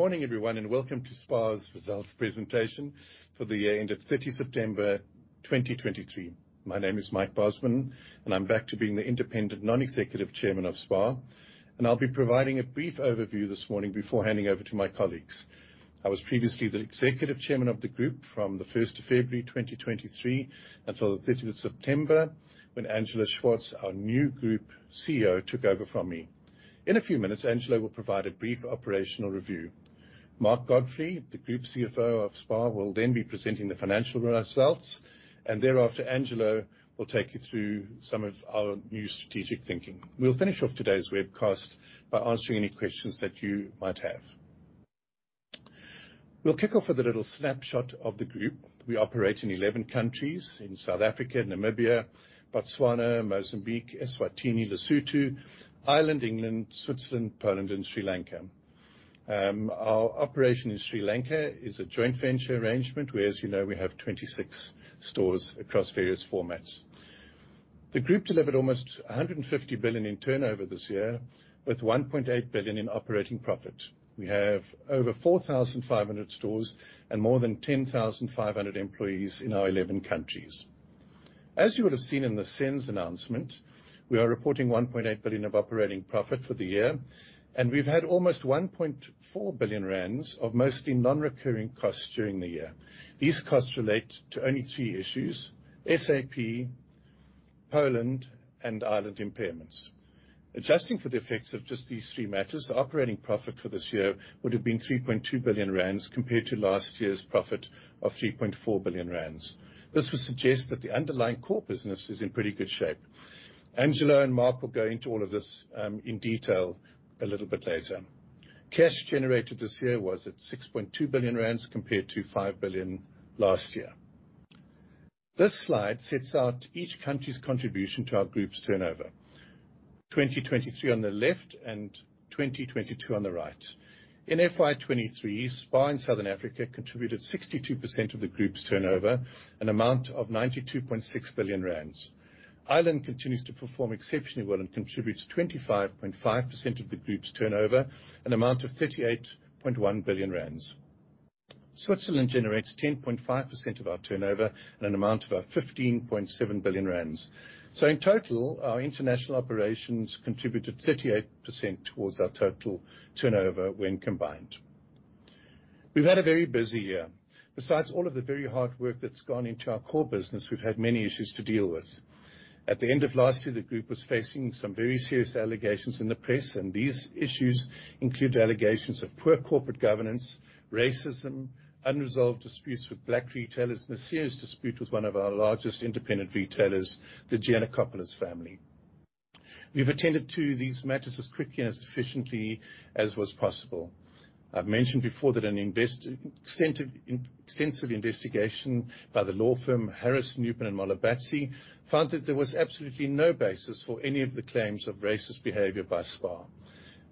Good morning, everyone, and welcome to SPAR's results presentation for the end of 30 September 2023. My name is Mike Bosman, and I'm back to being the Independent Non-Executive Chairman of SPAR, and I'll be providing a brief overview this morning before handing over to my colleagues. I was previously the Executive Chairman of the group from the 1st of February 2023 until the 30th of September, when Angelo Swartz, our new Group CEO, took over from me. In a few minutes, Angelo will provide a brief operational review. Mark Godfrey, the Group CFO of SPAR, will then be presenting the financial results, and thereafter, Angelo will take you through some of our new strategic thinking. We'll finish off today's webcast by answering any questions that you might have. We'll kick off with a little snapshot of the group. We operate in 11 countries: in South Africa, Namibia, Botswana, Mozambique, Eswatini, Lesotho, Ireland, England, Switzerland, Poland, and Sri Lanka. Our operation in Sri Lanka is a joint venture arrangement where, as you know, we have 26 stores across various formats. The group delivered almost 150 billion in turnover this year, with 1.8 billion in operating profit. We have over 4,500 stores and more than 10,500 employees in our 11 countries. As you would have seen in the SENS announcement, we are reporting 1.8 billion of operating profit for the year, and we've had almost 1.4 billion rand of mostly non-recurring costs during the year. These costs relate to only three issues: SAP, Poland, and Ireland impairments. Adjusting for the effects of just these three matters, the operating profit for this year would have been 3.2 billion rand compared to last year's profit of 3.4 billion rand. This would suggest that the underlying core business is in pretty good shape. Angelo and Mark will go into all of this in detail a little bit later. Cash generated this year was at 6.2 billion rand compared to 5 billion last year. This slide sets out each country's contribution to our group's turnover: 2023 on the left and 2022 on the right. In FY 2023, SPAR in Southern Africa contributed 62% of the group's turnover, an amount of 92.6 billion rand. Ireland continues to perform exceptionally well and contributes 25.5% of the group's turnover, an amount of 38.1 billion rand. Switzerland generates 10.5% of our turnover and an amount of 15.7 billion rand. So in total, our international operations contributed 38% towards our total turnover when combined. We've had a very busy year. Besides all of the very hard work that's gone into our core business, we've had many issues to deal with. At the end of last year, the group was facing some very serious allegations in the press, and these issues include allegations of poor corporate governance, racism, unresolved disputes with black retailers, and a serious dispute with one of our largest independent retailers, the Giannacopoulos family. We've attended to these matters as quickly and as efficiently as was possible. I've mentioned before that an extensive investigation by the law firm Harris Nupen Molebatsi found that there was absolutely no basis for any of the claims of racist behavior by SPAR.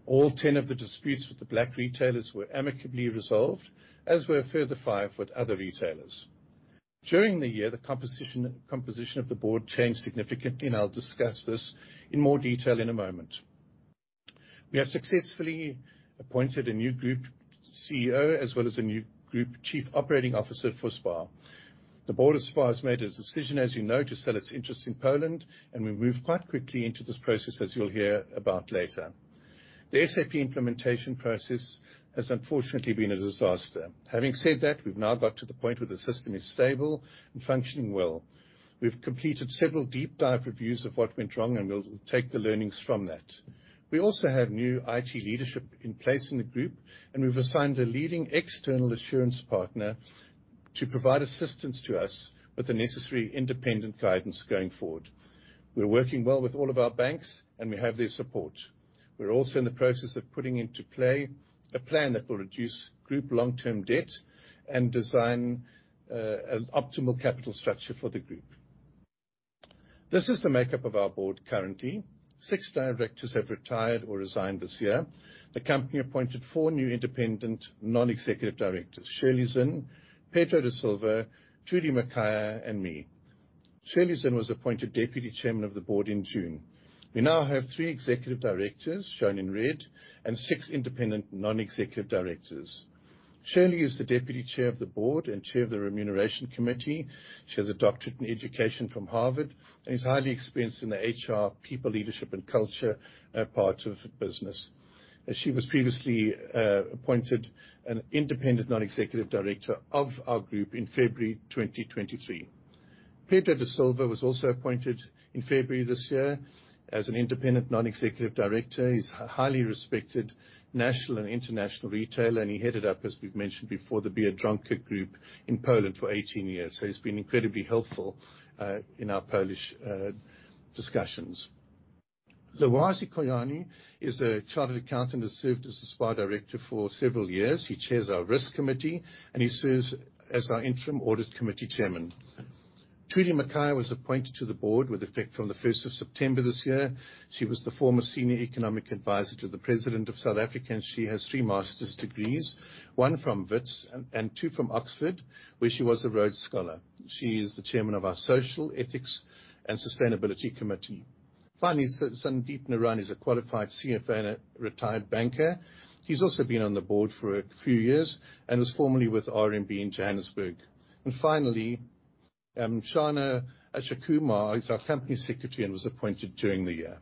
All 10 of the disputes with the black retailers were amicably resolved, as were a further five with other retailers. During the year, the composition of the board changed significantly, and I'll discuss this in more detail in a moment. We have successfully appointed a new Group CEO as well as a new Group Chief Operating Officer for SPAR. The board of SPAR has made a decision, as you know, to sell its interest in Poland, and we moved quite quickly into this process, as you'll hear about later. The SAP implementation process has unfortunately been a disaster. Having said that, we've now got to the point where the system is stable and functioning well. We've completed several deep-dive reviews of what went wrong, and we'll take the learnings from that. We also have new IT leadership in place in the group, and we've assigned a leading external assurance partner to provide assistance to us with the necessary independent guidance going forward. We're working well with all of our banks, and we have their support. We're also in the process of putting into play a plan that will reduce group long-term debt and design an optimal capital structure for the group. This is the makeup of our board currently. Six directors have retired or resigned this year. The company appointed four new independent non-executive directors: Shirley Zinn, Pedro da Silva, Trudi Makhaya, and me. Shirley Zinn was appointed deputy chairman of the board in June. We now have three executive directors, shown in red, and six independent non-executive directors. Shirley is the deputy chair of the board and chair of the remuneration committee. She has a doctorate in education from Harvard and is highly experienced in the HR, people leadership, and culture part of the business. She was previously appointed an independent non-executive director of our group in February 2023. Pedro da Silva was also appointed in February this year as an independent non-executive director. He's a highly respected national and international retailer, and he headed up, as we've mentioned before, the Biedronka in Poland for 18 years. So he's been incredibly helpful in our Polish discussions. Lwazi Koyana is a chartered accountant and served as the SPAR director for several years. He chairs our risk committee, and he serves as our interim audit committee chairman. Trudi Makhaya was appointed to the board with effect from the 1st of September this year. She was the former senior economic advisor to the president of South Africa, and she has three master's degrees, one from Wits and two from Oxford, where she was a Rhodes Scholar. She is the chairman of our social, ethics, and sustainability committee. Finally, Sundeep Naran is a qualified CFO and a retired banker. He's also been on the board for a few years and was formerly with RMB in Johannesburg. And finally, Shana Ashokumar is our company secretary and was appointed during the year.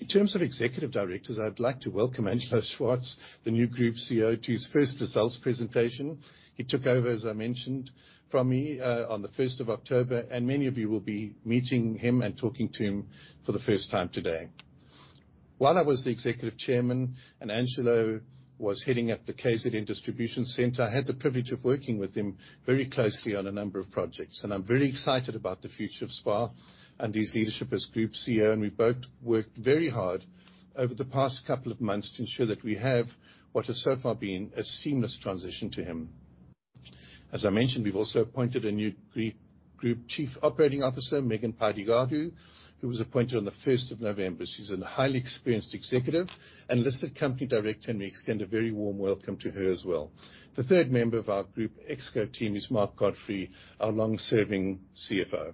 In terms of executive directors, I'd like to welcome Angelo Swartz, the new Group CEO, to his first results presentation. He took over, as I mentioned, from me on the 1st of October, and many of you will be meeting him and talking to him for the first time today. While I was the executive chairman and Angelo was heading up the KZN Distribution Centre, I had the privilege of working with him very closely on a number of projects. And I'm very excited about the future of SPAR and his leadership as Group CEO. We've both worked very hard over the past couple of months to ensure that we have what has so far been a seamless transition to him. As I mentioned, we've also appointed a new Group Chief Operating Officer, Megan Pydigadu, who was appointed on the 1st of November. She's a highly experienced executive and listed company director, and we extend a very warm welcome to her as well. The third member of our group Exco team is Mark Godfrey, our long-serving CFO.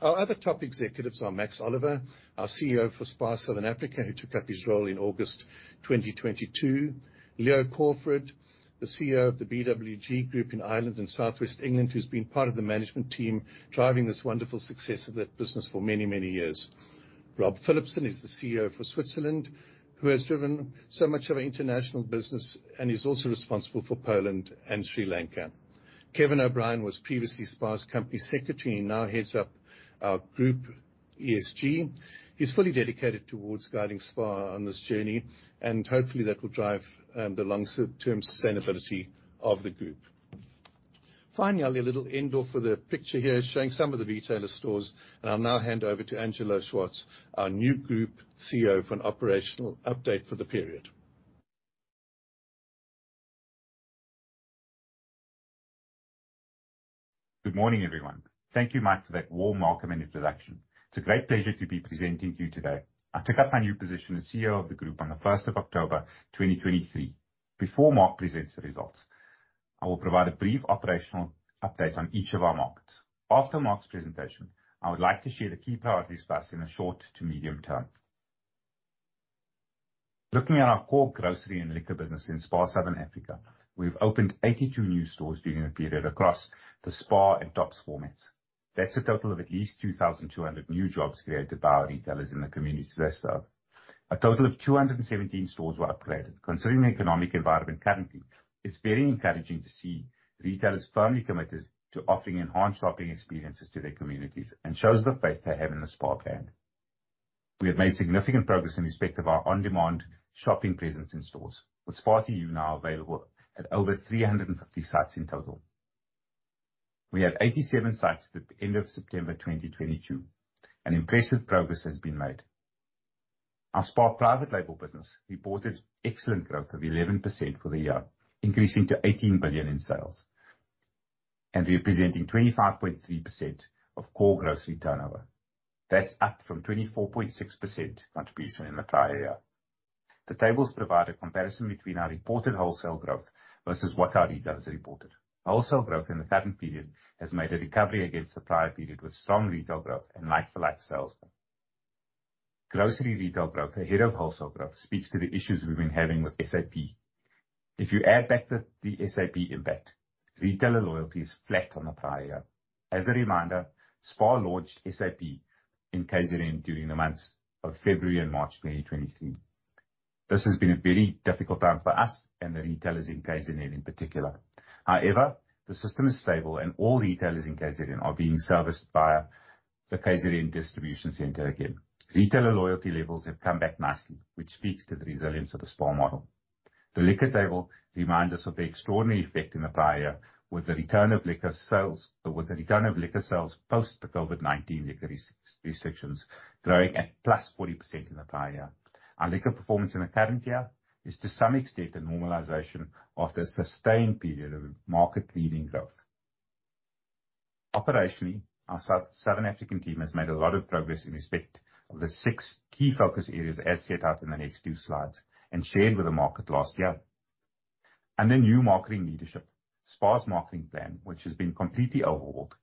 Our other top executives are Max Oliva, our CEO for SPAR Southern Africa, who took up his role in August 2022. Leo Crawford, the CEO of the BWG Group in Ireland and Southwest England, who's been part of the management team driving this wonderful success of that business for many, many years. Rob Philipson is the CEO for Switzerland, who has driven so much of our international business, and he's also responsible for Poland and Sri Lanka. Kevin O'Brien was previously SPAR's company secretary and now heads up our Group ESG. He's fully dedicated towards guiding SPAR on this journey, and hopefully that will drive the long-term sustainability of the group. Finally, I'll be a little absent from the picture here showing some of the retailer stores, and I'll now hand over to Angelo Swartz, our new Group CEO, for an operational update for the period. Good morning, everyone. Thank you, Mike, for that warm welcome and introduction. It's a great pleasure to be presenting to you today. I took up my new position as CEO of the group on the 1st of October 2023. Before Mark presents the results, I will provide a brief operational update on each of our markets. After Mark's presentation, I would like to share the key priorities for us in a short to medium term. Looking at our core grocery and liquor business in SPAR Southern Africa, we've opened 82 new stores during a period across the SPAR and TOPS formats. That's a total of at least 2,200 new jobs created by our retailers in the communities they serve. A total of 217 stores were upgraded. Considering the economic environment currently, it's very encouraging to see retailers firmly committed to offering enhanced shopping experiences to their communities, and shows the faith they have in the SPAR brand. We have made significant progress in respect of our on-demand shopping presence in stores, with SPAR2U now available at over 350 sites in total. We had 87 sites at the end of September 2022, and impressive progress has been made. Our SPAR private label business reported excellent growth of 11% for the year, increasing to 18 billion in sales and representing 25.3% of core grocery turnover. That's up from 24.6% contribution in the prior year. The tables provide a comparison between our reported wholesale growth versus what our retailers reported. Wholesale growth in the current period has made a recovery against the prior period with strong retail growth and like-for-like sales. Grocery retail growth ahead of wholesale growth speaks to the issues we've been having with SAP. If you add back the SAP impact, retailer loyalty is flat on the prior year. As a reminder, SPAR launched SAP in KZN during the months of February and March 2023. This has been a very difficult time for us and the retailers in KZN in particular. However, the system is stable, and all retailers in KZN are being serviced by the KZN Distribution Centre again. Retailer loyalty levels have come back nicely, which speaks to the resilience of the SPAR model. The liquor table reminds us of the extraordinary effect in the prior year with the return of liquor sales post the COVID-19 liquor restrictions growing at +40% in the prior year. Our liquor performance in the current year is to some extent a normalization of the sustained period of market-leading growth. Operationally, our Southern African team has made a lot of progress in respect of the six key focus areas as set out in the next two slides and shared with the market last year. Under new marketing leadership, SPAR's marketing plan, which has been completely overhauled,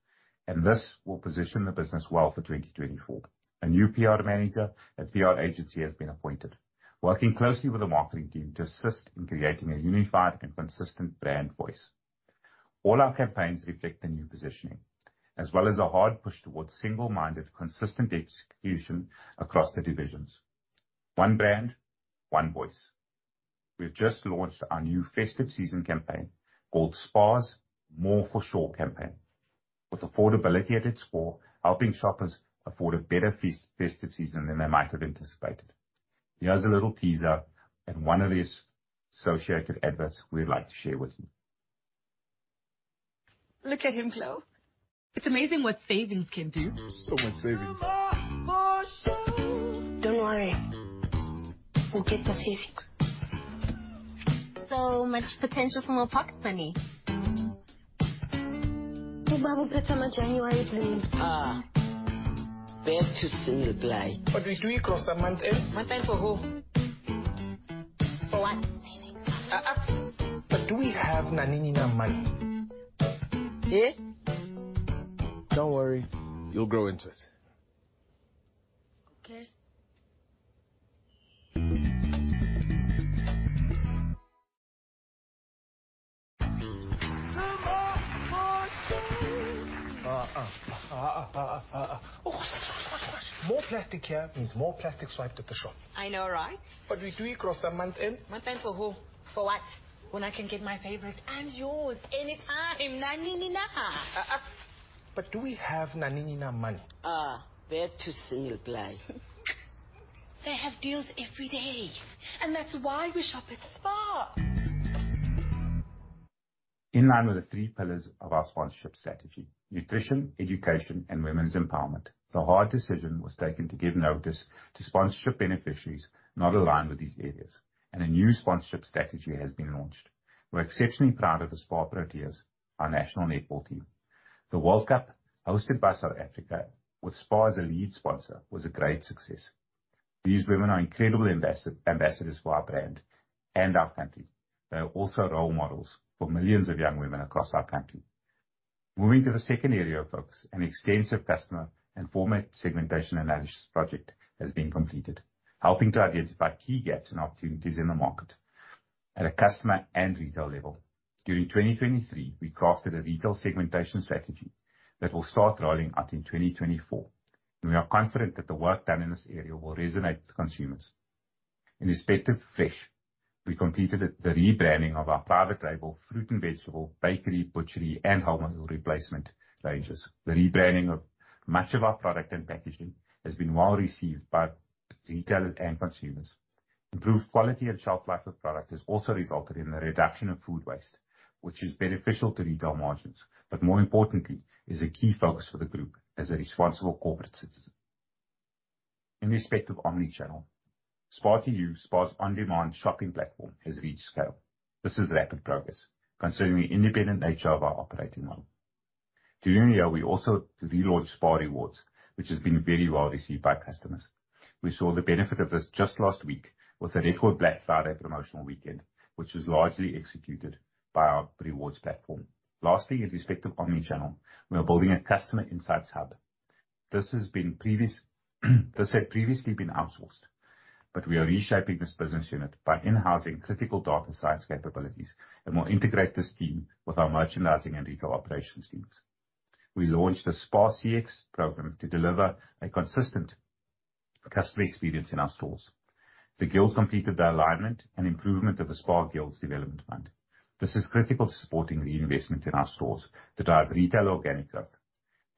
and this will position the business well for 2024. A new PR manager and PR agency has been appointed, working closely with the marketing team to assist in creating a unified and consistent brand voice. All our campaigns reflect the new positioning, as well as a hard push towards single-minded, consistent execution across the divisions. One brand, one voice. We've just launched our new festive season campaign called SPAR's MORE for Sho campaign, with affordability at its core, helping shoppers afford a better festive season than they might have anticipated. Here's a little teaser and one of the associated adverts we'd like to share with you. Look at him glow. It's amazing what savings can do. So much savings. Don't worry. We'll get the savings. So much potential for more pocket money. You're about to pretend my January's lean. Better to sing the black. But we do you cross a month in. What time for who? For what? Savings. But do we have any money? Yeah? Don't worry. You'll grow into it. Okay. More plastic here means more plastic swiped at the shop. I know, right? But we do. You cross a month in. Month end for who? For what? When I can get my favorite and yours anytime, nanini na. But do we have nanini na money? Better to sing the black. They have deals every day, and that's why we shop at SPAR. In line with the three pillars of our sponsorship strategy: nutrition, education, and women's empowerment, the hard decision was taken to give notice to sponsorship beneficiaries not aligned with these areas, and a new sponsorship strategy has been launched. We're exceptionally proud of the SPAR Proteas, our national netball team. The World Cup hosted by South Africa, with SPAR as a lead sponsor, was a great success. These women are incredible ambassadors for our brand and our country. They are also role models for millions of young women across our country. Moving to the second area of focus, an extensive customer and format segmentation analysis project has been completed, helping to identify key gaps and opportunities in the market at a customer and retail level. During 2023, we crafted a retail segmentation strategy that will start rolling out in 2024, and we are confident that the work done in this area will resonate with consumers. In respect of fresh, we completed the rebranding of our private label fruit and vegetable, bakery, butchery, and home replacement ranges. The rebranding of much of our product and packaging has been well received by retailers and consumers. Improved quality and shelf life of product has also resulted in the reduction of food waste, which is beneficial to retail margins, but more importantly, is a key focus for the group as a responsible corporate citizen. In respect of omnichannel, SPAR2U, SPAR's on-demand shopping platform has reached scale. This is rapid progress considering the independent nature of our operating model. During the year, we also relaunched SPAR Rewards, which has been very well received by customers. We saw the benefit of this just last week with the record Black Friday promotional weekend, which was largely executed by our rewards platform. Lastly, in respect of omnichannel, we are building a customer insights hub. This has previously been outsourced, but we are reshaping this business unit by in-housing critical data science capabilities and will integrate this team with our merchandising and retail operations teams. We launched a SPAR CX program to deliver a consistent customer experience in our stores. The Guild completed the alignment and improvement of the SPAR Guild's development fund. This is critical to supporting reinvestment in our stores to drive retail organic growth.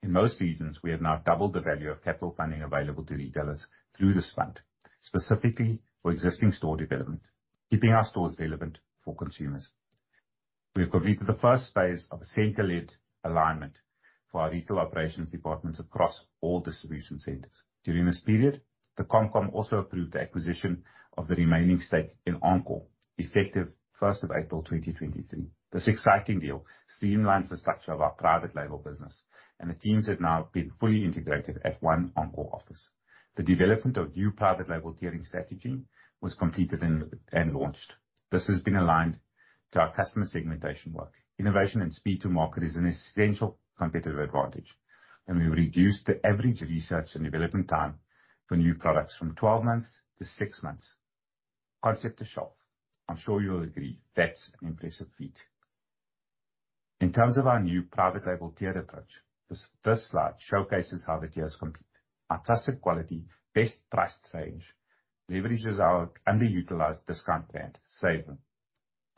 In most regions, we have now doubled the value of capital funding available to retailers through this fund, specifically for existing store development, keeping our stores relevant for consumers. We have completed the first phase of a center-led alignment for our retail operations departments across all distribution centers. During this period, the ComCom also approved the acquisition of the remaining stake in Encore effective 1st of April 2023. This exciting deal streamlines the structure of our private label business, and the teams have now been fully integrated at one Encore office. The development of new private label tiering strategy was completed and launched. This has been aligned to our customer segmentation work. Innovation and speed to market is an essential competitive advantage, and we reduced the average research and development time for new products from 12 months to six months. Concept to shelf, I'm sure you'll agree that's an impressive feat. In terms of our new private label tier approach, this slide showcases how the tiers compete. Our trusted quality, best price range leverages our underutilized discount brand, SaveMor.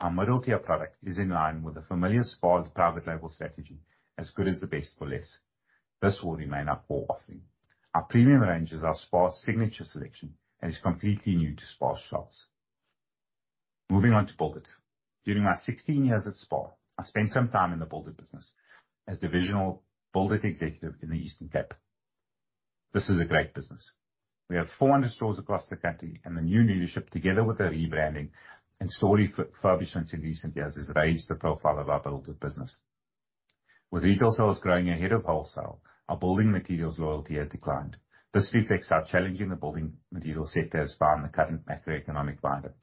Our middle-tier product is in line with a familiar SPAR private label strategy, As Good As The Best For Less. This will remain our core offering. Our premium range is our SPAR Signature Selection and is completely new to SPAR shelves. Moving on to Build It, during my 16 years at SPAR, I spent some time in the Build It business as divisional Build It executive in the Eastern Cape. This is a great business. We have 400 stores across the country, and the new leadership, together with the rebranding and store furnishings in recent years, has raised the profile of our Build It business. With retail sales growing ahead of wholesale, our building materials loyalty has declined. This reflects how challenging the building materials sector has found the current macroeconomic climate.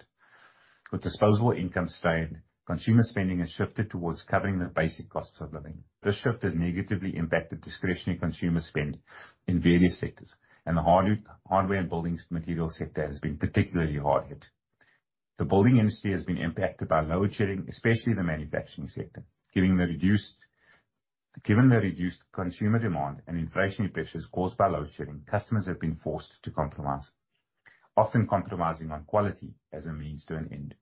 With disposable income strained, consumer spending has shifted towards covering the basic costs of living. This shift has negatively impacted discretionary consumer spend in various sectors, and the hardware and building materials sector has been particularly hard hit. The building industry has been impacted by load shedding, especially the manufacturing sector, given the reduced consumer demand and inflationary pressures caused by load shedding. Customers have been forced to compromise, often compromising on quality as a means to an end.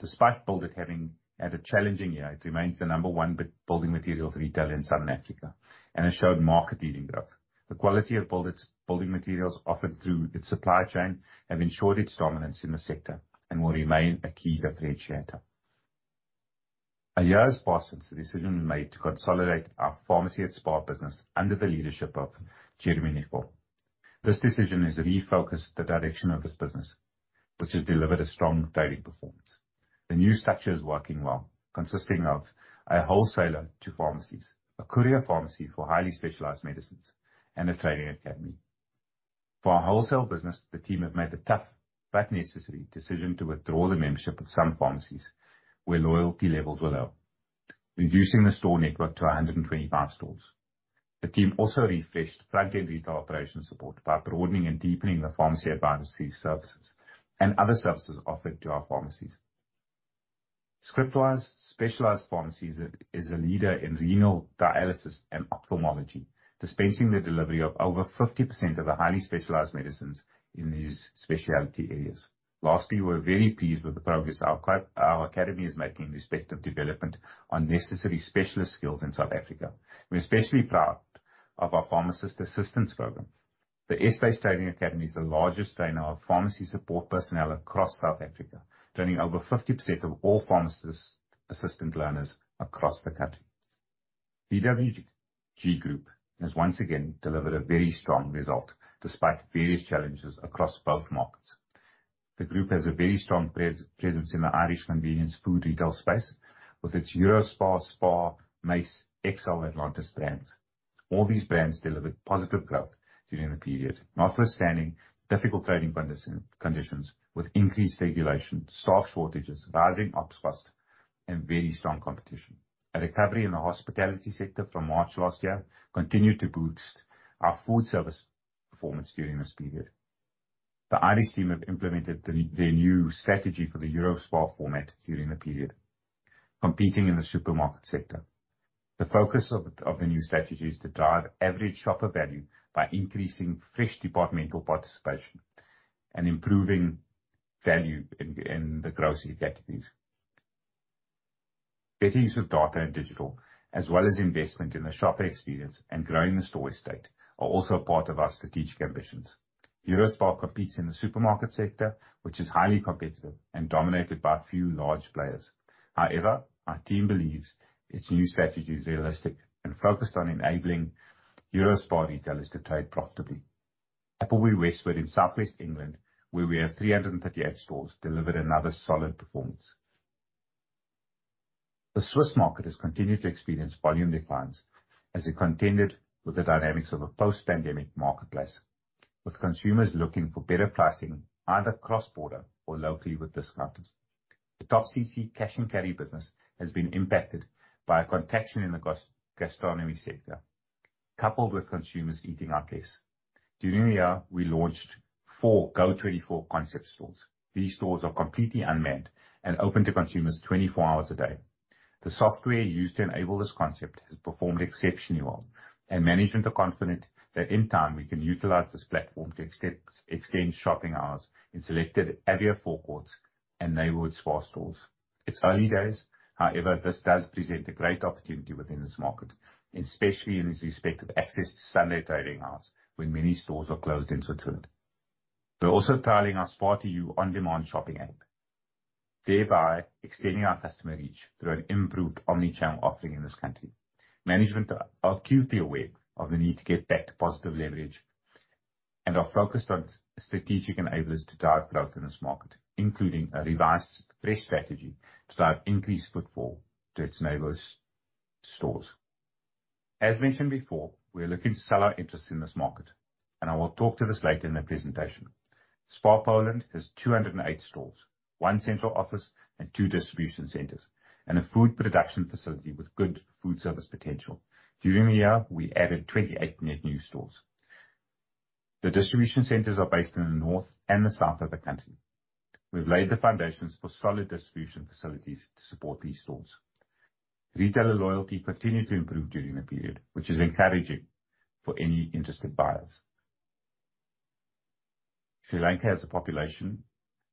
Despite Build It having had a challenging year, it remains the number one building materials retailer in Southern Africa and has showed market-leading growth. The quality of Build It's building materials offered through its supply chain has ensured its dominance in the sector and will remain a key differentiator. A year has passed since the decision was made to consolidate our pharmacy at SPAR business under the leadership of Jeremy Nicol. This decision has refocused the direction of this business, which has delivered a strong trading performance. The new structure is working well, consisting of a wholesaler to pharmacies, a courier pharmacy for highly specialized medicines, and a trading academy. For our wholesale business, the team has made the tough but necessary decision to withdraw the membership of some pharmacies where loyalty levels were low, reducing the store network to 125 stores. The team also refreshed front-end retail operation support by broadening and deepening the pharmacy advisory services and other services offered to our pharmacies. Scriptwise Specialized Pharmacy is a leader in renal dialysis and ophthalmology, dispensing the delivery of over 50% of the highly specialized medicines in these specialty areas. Lastly, we're very pleased with the progress our academy is making in respect of development on necessary specialist skills in South Africa. We're especially proud of our pharmacist assistance program. The S Buys Trading Academy is the largest trainer of pharmacy support personnel across South Africa, training over 50% of all pharmacist assistant learners across the country. BWG Group has once again delivered a very strong result despite various challenges across both markets. The group has a very strong presence in the Irish convenience food retail space with its EUROSPAR, SPAR, Mace, XL brands. All these brands delivered positive growth during the period. While facing difficult trading conditions with increased regulation, staff shortages, rising input costs, and very strong competition, a recovery in the hospitality sector from March last year continued to boost our food service performance during this period. The Irish team have implemented their new strategy for the EUROSPAR format during the period, competing in the supermarket sector. The focus of the new strategy is to drive average shopper value by increasing fresh departmental participation and improving value in the grocery categories. Better use of data and digital, as well as investment in the shopper experience and growing the store estate, are also part of our strategic ambitions. EUROSPAR competes in the supermarket sector, which is highly competitive and dominated by a few large players. However, our team believes its new strategy is realistic and focused on enabling EUROSPAR retailers to trade profitably. Appleby Westward in Southwest England, where we have 338 stores, delivered another solid performance. The Swiss market has continued to experience volume declines as it contended with the dynamics of a post-pandemic marketplace, with consumers looking for better pricing either cross-border or locally with discounters. The TopCC cash and carry business has been impacted by a contraction in the gastronomy sector, coupled with consumers eating out less. During the year, we launched four Go24 concept stores. These stores are completely unmanned and open to consumers 24 hours a day. The software used to enable this concept has performed exceptionally well, and management are confident that in time we can utilize this platform to extend shopping hours in selected area forecourts and neighborhood SPAR stores. It's early days. However, this does present a great opportunity within this market, especially in respect of access to Sunday trading hours when many stores are closed in Switzerland. We're also trialing our SPAR2U on-demand shopping app, thereby extending our customer reach through an improved omnichannel offering in this country. Management are acutely aware of the need to get back to positive leverage, and are focused on strategic enablers to drive growth in this market, including a revised fresh strategy to drive increased footfall to its neighborhood stores. As mentioned before, we are looking to sell our interest in this market, and I will talk to this later in the presentation. SPAR Poland has 208 stores, one central office and two distribution centers, and a food production facility with good food service potential. During the year, we added 28 new stores. The distribution centers are based in the north and the south of the country. We've laid the foundations for solid distribution facilities to support these stores. Retailer loyalty continued to improve during the period, which is encouraging for any interested buyers. Sri Lanka has a population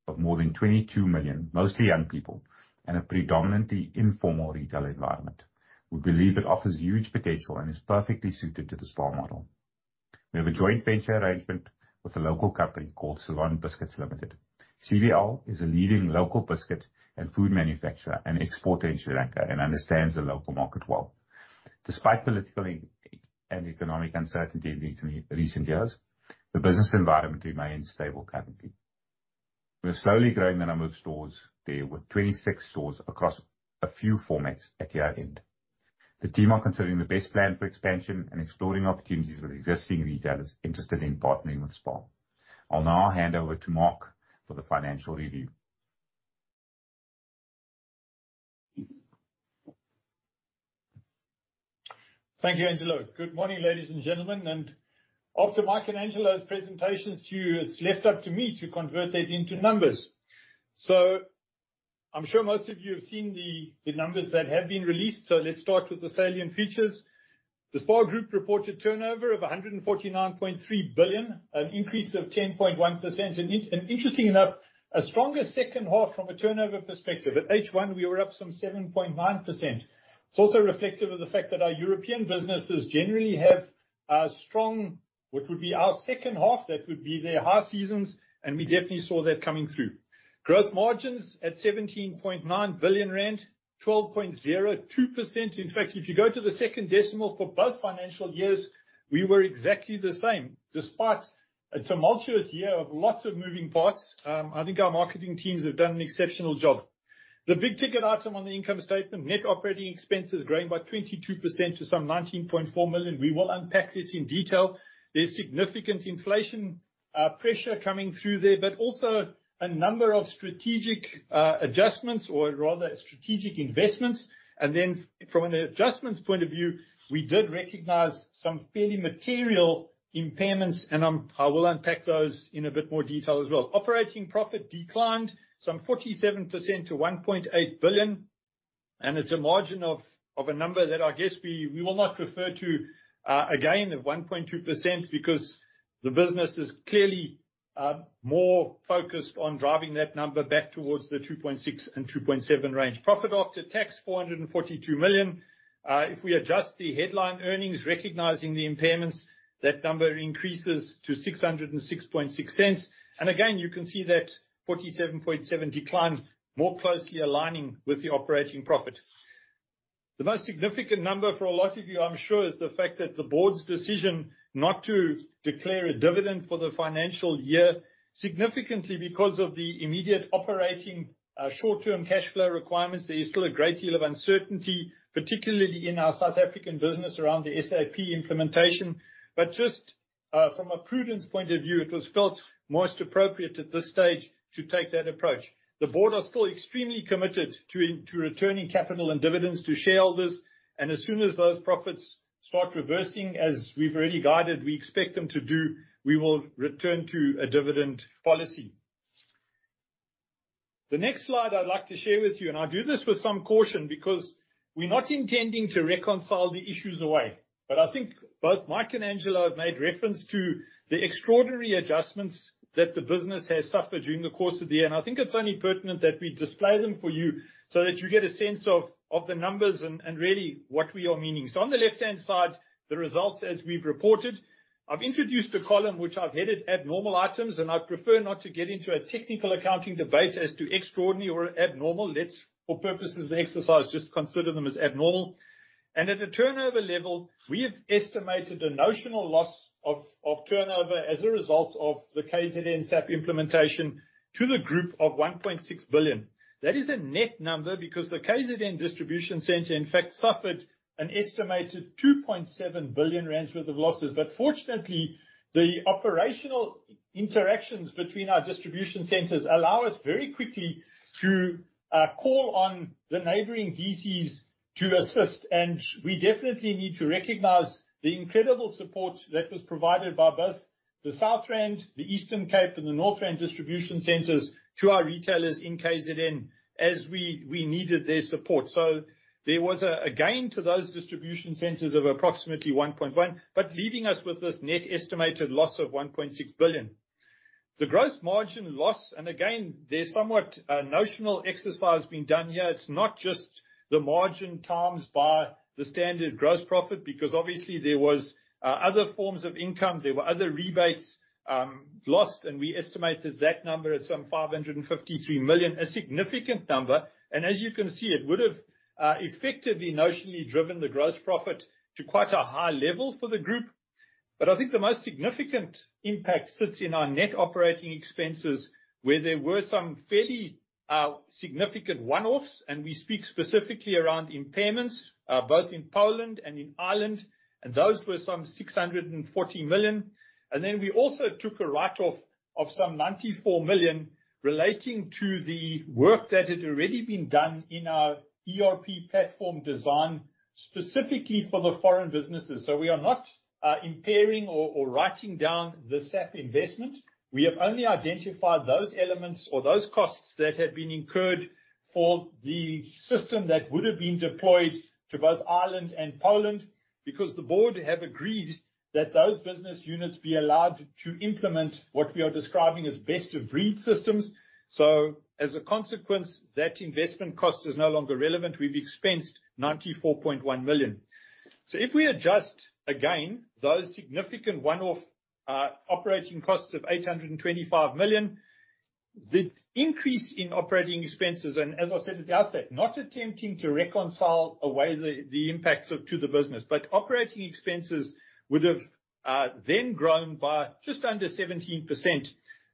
of more than 22 million, mostly young people, and a predominantly informal retail environment. We believe it offers huge potential and is perfectly suited to the SPAR model. We have a joint venture arrangement with a local company called Ceylon Biscuits Limited. CBL is a leading local biscuit and food manufacturer and exporter in Sri Lanka and understands the local market well. Despite political and economic uncertainty in recent years, the business environment remains stable currently. We're slowly growing the number of stores there with 26 stores across a few formats at year end. The team are considering the best plan for expansion and exploring opportunities with existing retailers interested in partnering with SPAR. I'll now hand over to Mark for the financial review. Thank you, Angelo. Good morning, ladies and gentlemen. After Mike and Angelo's presentations to you, it's left up to me to convert that into numbers. I'm sure most of you have seen the numbers that have been released. Let's start with the salient features. The SPAR Group reported turnover of 149.3 billion, an increase of 10.1%. Interestingly enough, a stronger second half from a turnover perspective. At H1, we were up some 7.9%. It's also reflective of the fact that our European businesses generally have a strong, what would be our second half, that would be their high seasons, and we definitely saw that coming through. Gross margins at 17.9 billion rand, 12.02%. In fact, if you go to the second decimal for both financial years, we were exactly the same. Despite a tumultuous year of lots of moving parts, I think our marketing teams have done an exceptional job. The big-ticket item on the income statement, net operating expenses growing by 22% to some 19.4 million. We will unpack it in detail. There's significant inflation pressure coming through there, but also a number of strategic adjustments, or rather strategic investments. And then from an adjustments point of view, we did recognize some fairly material impairments, and I will unpack those in a bit more detail as well. Operating profit declined some 47% to 1.8 billion, and it's a margin of a number that I guess we will not refer to again of 1.2% because the business is clearly more focused on driving that number back towards the 2.6%-2.7% range. Profit after tax 442 million. If we adjust the headline earnings, recognizing the impairments, that number increases to 606.6. And again, you can see that 47.7% decline, more closely aligning with the operating profit. The most significant number for a lot of you, I'm sure, is the fact that the board's decision not to declare a dividend for the financial year significantly because of the immediate operating short-term cash flow requirements. There is still a great deal of uncertainty, particularly in our South African business around the SAP implementation. But just from a prudence point of view, it was felt most appropriate at this stage to take that approach. The board are still extremely committed to returning capital and dividends to shareholders, and as soon as those profits start reversing, as we've already guided, we expect them to do, we will return to a dividend policy. The next slide I'd like to share with you, and I do this with some caution because we're not intending to reconcile the issues away, but I think both Mike and Angelo have made reference to the extraordinary adjustments that the business has suffered during the course of the year, and I think it's only pertinent that we display them for you so that you get a sense of the numbers and really what we are meaning, so on the left-hand side, the results as we've reported. I've introduced a column which I've headed abnormal items, and I prefer not to get into a technical accounting debate as to extraordinary or abnormal. Let's, for purposes of the exercise, just consider them as abnormal, and at a turnover level, we have estimated a notional loss of turnover as a result of the KZN SAP implementation to the group of 1.6 billion. That is a net number because the KZN Distribution Centre, in fact, suffered an estimated 2.7 billion rand worth of losses, but fortunately, the operational interactions between our distribution centers allow us very quickly to call on the neighboring DCs to assist, and we definitely need to recognize the incredible support that was provided by both the South Rand, the Eastern Cape, and the North Rand distribution centers to our retailers in KZN as we needed their support, so there was a gain to those distribution centers of approximately 1.1 billion, but leaving us with this net estimated loss of 1.6 billion. The gross margin loss, and again, there's somewhat a notional exercise being done here. It's not just the margin times by the standard gross profit because obviously there were other forms of income. There were other rebates lost, and we estimated that number at some 553 million, a significant number. And as you can see, it would have effectively notionally driven the gross profit to quite a high level for the group. But I think the most significant impact sits in our net operating expenses, where there were some fairly significant one-offs, and we speak specifically around impairments both in Poland and in Ireland, and those were some 640 million. And then we also took a write-off of some 94 million relating to the work that had already been done in our ERP platform design specifically for the foreign businesses. So we are not impairing or writing down the SAP investment. We have only identified those elements or those costs that had been incurred for the system that would have been deployed to both Ireland and Poland because the board has agreed that those business units be allowed to implement what we are describing as best of breed systems. So as a consequence, that investment cost is no longer relevant. We've expensed 94.1 million. So if we adjust again those significant one-off operating costs of 825 million, the increase in operating expenses, and as I said at the outset, not attempting to reconcile away the impacts to the business, but operating expenses would have then grown by just under 17%,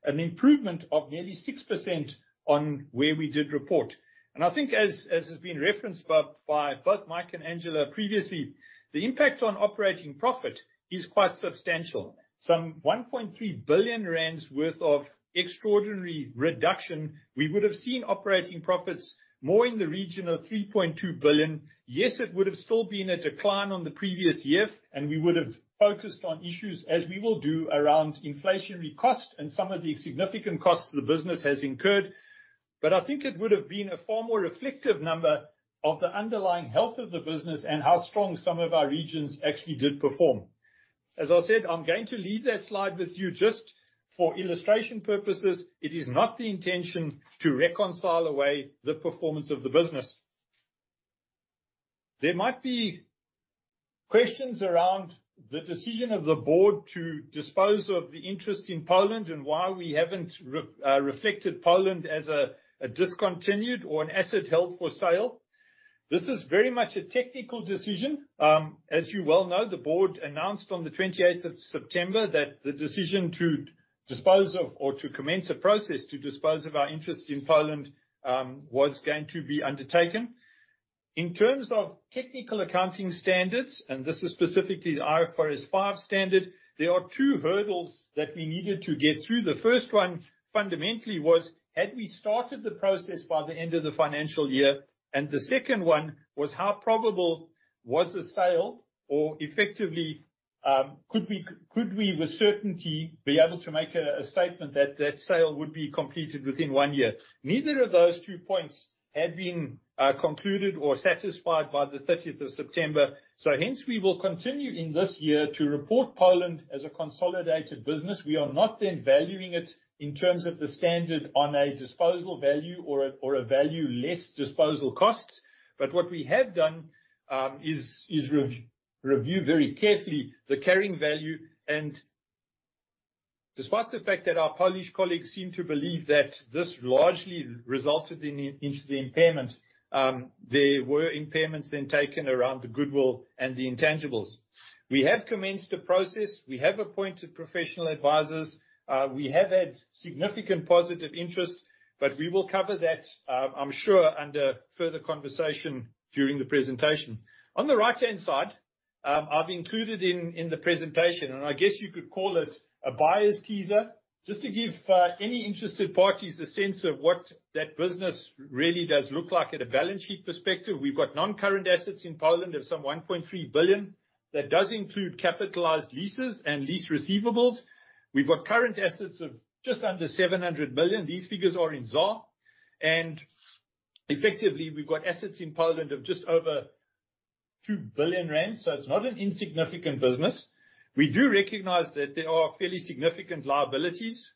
an improvement of nearly 6% on where we did report. I think, as has been referenced by both Mike and Angelo previously, the impact on operating profit is quite substantial. Some 1.3 billion rand worth of extraordinary reduction. We would have seen operating profits more in the region of 3.2 billion. Yes, it would have still been a decline on the previous year, and we would have focused on issues, as we will do, around inflationary costs and some of the significant costs the business has incurred. But I think it would have been a far more reflective number of the underlying health of the business and how strong some of our regions actually did perform. As I said, I'm going to leave that slide with you just for illustration purposes. It is not the intention to reconcile away the performance of the business. There might be questions around the decision of the board to dispose of the interest in Poland and why we haven't reflected Poland as a discontinued or an asset held for sale. This is very much a technical decision. As you well know, the board announced on the 28th of September that the decision to dispose of or to commence a process to dispose of our interest in Poland was going to be undertaken. In terms of technical accounting standards, and this is specifically the IFRS 5 standard, there are two hurdles that we needed to get through. The first one fundamentally was, had we started the process by the end of the financial year? And the second one was, how probable was a sale or effectively could we with certainty be able to make a statement that that sale would be completed within one year? Neither of those two points had been concluded or satisfied by the 30th of September. So hence, we will continue in this year to report Poland as a consolidated business. We are not then valuing it in terms of the standard on a disposal value or a value less disposal costs, but what we have done is review very carefully the carrying value, and despite the fact that our Polish colleagues seem to believe that this largely resulted in the impairment, there were impairments then taken around the goodwill and the intangibles. We have commenced a process. We have appointed professional advisors. We have had significant positive interest, but we will cover that, I'm sure, under further conversation during the presentation. On the right-hand side, I've included in the presentation, and I guess you could call it a buyer's teaser, just to give any interested parties a sense of what that business really does look like at a balance sheet perspective. We've got non-current assets in Poland of some 1.3 billion that does include capitalized leases and lease receivables. We've got current assets of just under 700 million. These figures are in ZAR, and effectively, we've got assets in Poland of just over 2 billion rand. So it's not an insignificant business. We do recognize that there are fairly significant liabilities,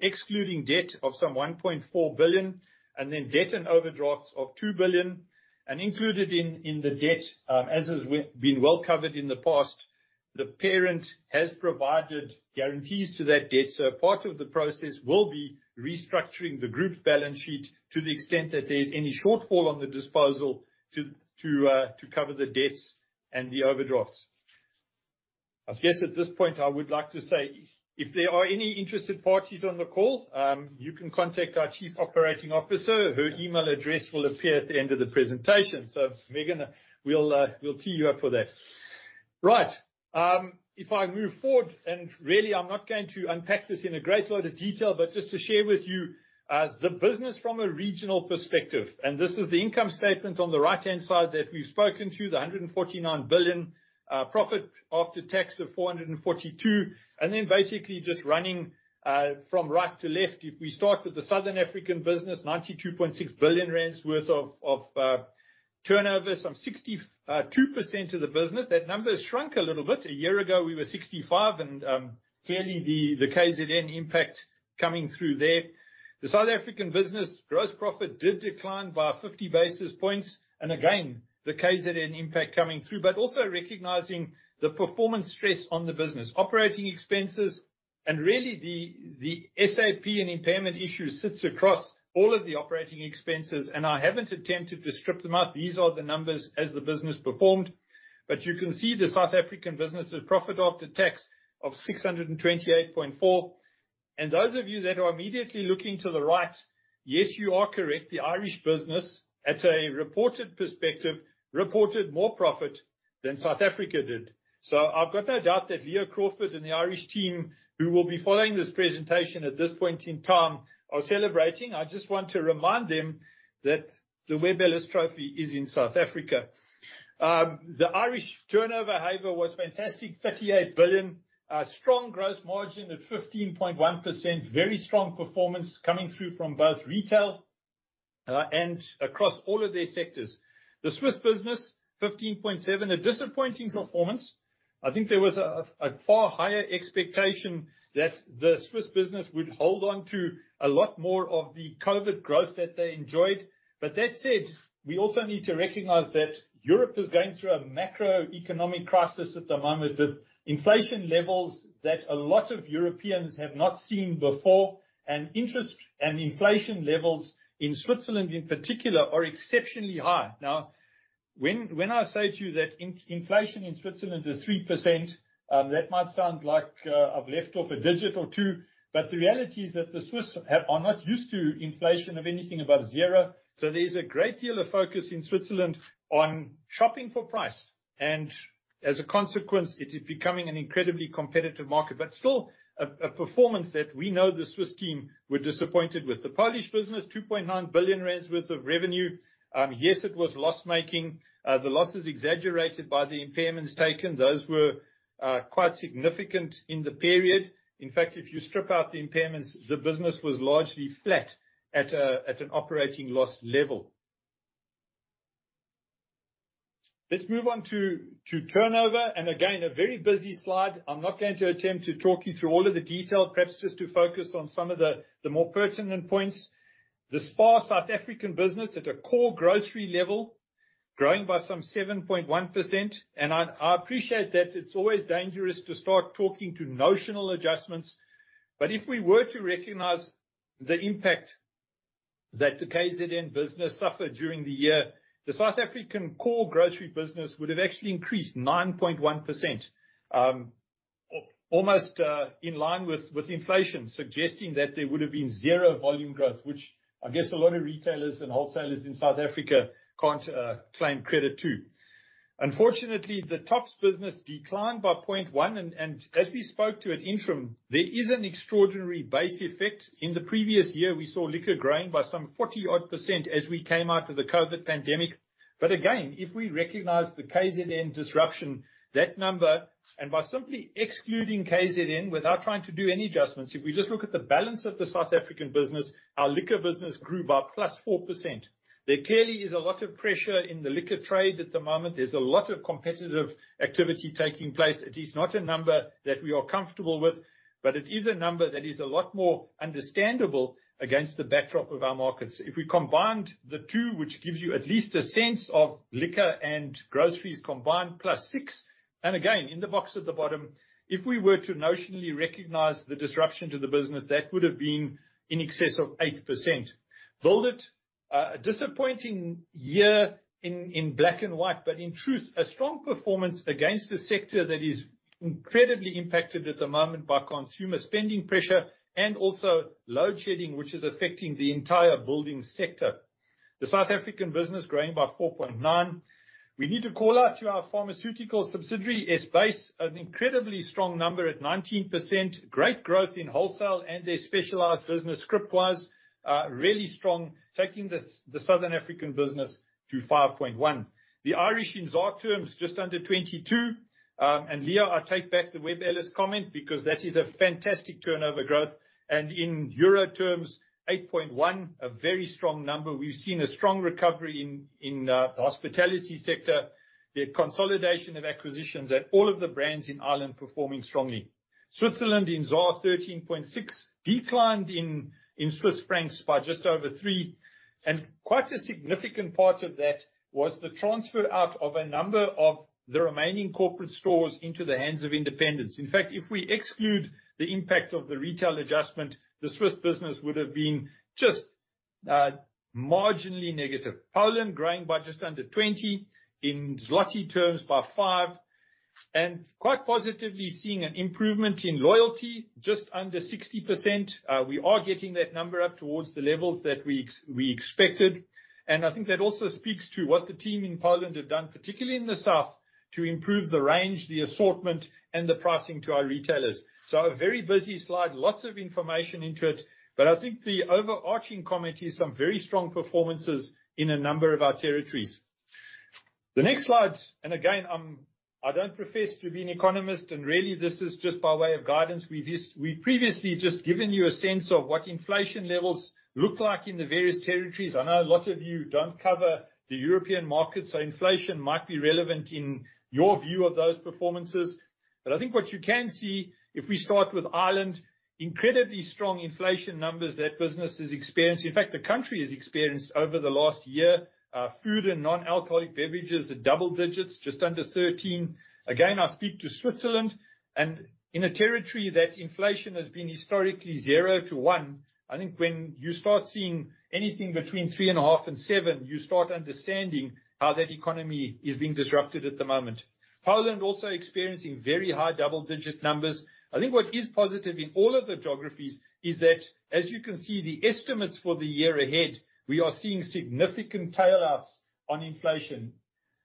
excluding debt of some 1.4 billion, and then debt and overdrafts of 2 billion, and included in the debt, as has been well covered in the past, the parent has provided guarantees to that debt, so part of the process will be restructuring the group's balance sheet to the extent that there's any shortfall on the disposal to cover the debts and the overdrafts. I guess at this point, I would like to say, if there are any interested parties on the call, you can contact our Chief Operating Officer. Her email address will appear at the end of the presentation. So Megan, we'll tee you up for that. Right. If I move forward, and really, I'm not going to unpack this in a great lot of detail, but just to share with you the business from a regional perspective. And this is the income statement on the right-hand side that we've spoken to, the 149 billion profit after tax of 442. And then basically just running from right to left, if we start with the Southern African business, 92.6 billion rand worth of turnover, some 62% of the business. That number has shrunk a little bit. A year ago, we were 65%, and clearly, the KZN impact coming through there. The South African business gross profit did decline by 50 basis points. And again, the KZN impact coming through, but also recognizing the performance stress on the business, operating expenses, and really the SAP and impairment issue sits across all of the operating expenses. And I haven't attempted to strip them out. These are the numbers as the business performed. But you can see the South African business's profit after tax of 628.4. And those of you that are immediately looking to the right, yes, you are correct. The Irish business, at a reported perspective, reported more profit than South Africa did. So I've got no doubt that Leo Crawford and the Irish team, who will be following this presentation at this point in time, are celebrating. I just want to remind them that the Webb Ellis Trophy is in South Africa. The Irish turnover has been fantastic, 38 billion, strong gross margin at 15.1%, very strong performance coming through from both retail and across all of their sectors. The Swiss business, 15.7 billion, a disappointing performance. I think there was a far higher expectation that the Swiss business would hold on to a lot more of the COVID growth that they enjoyed. But that said, we also need to recognize that Europe is going through a macroeconomic crisis at the moment with inflation levels that a lot of Europeans have not seen before, and interest and inflation levels in Switzerland, in particular, are exceptionally high. Now, when I say to you that inflation in Switzerland is 3%, that might sound like I've left off a digit or two, but the reality is that the Swiss are not used to inflation of anything above zero. There is a great deal of focus in Switzerland on shopping for price. And as a consequence, it is becoming an incredibly competitive market, but still a performance that we know the Swiss team were disappointed with. The Polish business, 2.9 billion rand worth of revenue. Yes, it was loss-making. The loss is exaggerated by the impairments taken. Those were quite significant in the period. In fact, if you strip out the impairments, the business was largely flat at an operating loss level. Let's move on to turnover. And again, a very busy slide. I'm not going to attempt to talk you through all of the detail, perhaps just to focus on some of the more pertinent points. The SPAR South African business at a core grocery level, growing by some 7.1%. And I appreciate that it's always dangerous to start talking to notional adjustments. But if we were to recognize the impact that the KZN business suffered during the year, the South African core grocery business would have actually increased 9.1%, almost in line with inflation, suggesting that there would have been zero volume growth, which I guess a lot of retailers and wholesalers in South Africa can't claim credit to. Unfortunately, the TOPS business declined by 0.1%. And as we spoke to at interim, there is an extraordinary base effect. In the previous year, we saw liquor growing by some 40-odd% as we came out of the COVID pandemic. But again, if we recognize the KZN disruption, that number, and by simply excluding KZN without trying to do any adjustments, if we just look at the balance of the South African business, our liquor business grew by +4%. There clearly is a lot of pressure in the liquor trade at the moment. There's a lot of competitive activity taking place. It is not a number that we are comfortable with, but it is a number that is a lot more understandable against the backdrop of our markets. If we combined the two, which gives you at least a sense of liquor and groceries combined, +6%. And again, in the box at the bottom, if we were to notionally recognize the disruption to the business, that would have been in excess of 8%. Build It, a disappointing year in black and white, but in truth, a strong performance against a sector that is incredibly impacted at the moment by consumer spending pressure and also load shedding, which is affecting the entire building sector. The South African business growing by 4.9%. We need to call out to our pharmaceutical subsidiary S Buys, an incredibly strong number at 19%, great growth in wholesale and their specialized business, Scriptwise, really strong, taking the Southern African business to 5.1%. The Irish, in ZAR terms, just under 22%, and Leo, I take back the Webb Ellis comment because that is a fantastic turnover growth, and in Euro terms, 8.1%, a very strong number. We've seen a strong recovery in the hospitality sector, the consolidation of acquisitions, and all of the brands in Ireland performing strongly. Switzerland, in ZAR, 13.6%, declined in Swiss francs by just over 3%, and quite a significant part of that was the transfer out of a number of the remaining corporate stores into the hands of independents. In fact, if we exclude the impact of the retail adjustment, the Swiss business would have been just marginally negative. Poland growing by just under 20% in złoty terms by 5%, and quite positively seeing an improvement in loyalty just under 60%. We are getting that number up towards the levels that we expected. I think that also speaks to what the team in Poland have done, particularly in the south, to improve the range, the assortment, and the pricing to our retailers. A very busy slide, lots of information into it. I think the overarching comment is some very strong performances in a number of our territories. The next slide, and again, I don't profess to be an economist, and really this is just by way of guidance. We've previously just given you a sense of what inflation levels look like in the various territories. I know a lot of you don't cover the European markets, so inflation might be relevant in your view of those performances. But I think what you can see, if we start with Ireland, incredibly strong inflation numbers that business is experiencing. In fact, the country has experienced over the last year, food and non-alcoholic beverages at double digits, just under 13. Again, I speak to Switzerland. And in a territory that inflation has been historically zero to one, I think when you start seeing anything between three and a half and seven, you start understanding how that economy is being disrupted at the moment. Poland also experiencing very high double-digit numbers. I think what is positive in all of the geographies is that, as you can see, the estimates for the year ahead, we are seeing significant tailwinds on inflation.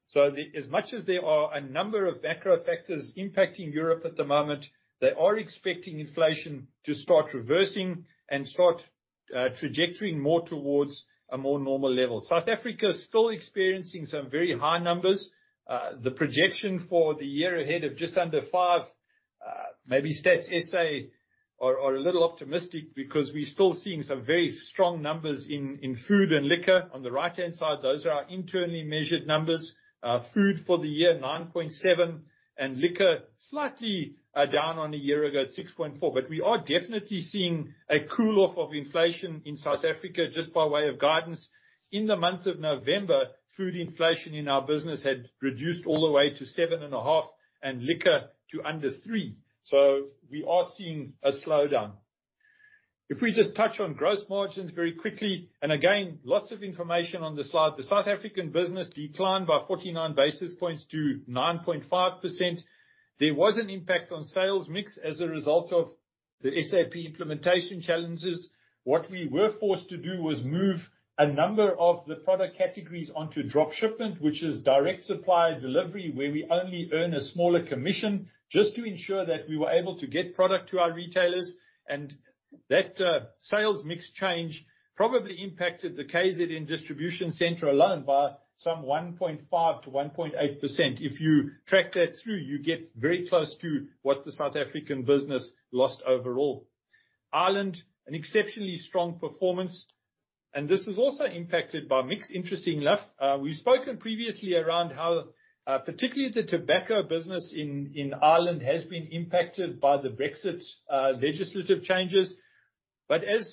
So as much as there are a number of macro factors impacting Europe at the moment, they are expecting inflation to start reversing and start trajectory more towards a more normal level. South Africa is still experiencing some very high numbers. The projection for the year ahead of just under 5%, maybe Stats SA are a little optimistic because we're still seeing some very strong numbers in food and liquor. On the right-hand side, those are our internally measured numbers. Food for the year, 9.7%, and liquor slightly down on a year ago at 6.4%. But we are definitely seeing a cool-off of inflation in South Africa just by way of guidance. In the month of November, food inflation in our business had reduced all the way to 7.5% and liquor to under 3%. So we are seeing a slowdown. If we just touch on gross margins very quickly, and again, lots of information on the slide, the South African business declined by 49 basis points to 9.5%. There was an impact on sales mix as a result of the SAP implementation challenges. What we were forced to do was move a number of the product categories onto drop shipment, which is direct supply delivery, where we only earn a smaller commission just to ensure that we were able to get product to our retailers. And that sales mix change probably impacted the KZN Distribution Centre alone by some 1.5%-1.8%. If you track that through, you get very close to what the South African business lost overall. Ireland, an exceptionally strong performance. And this is also impacted by mix, interesting enough. We've spoken previously around how particularly the tobacco business in Ireland has been impacted by the Brexit legislative changes, but as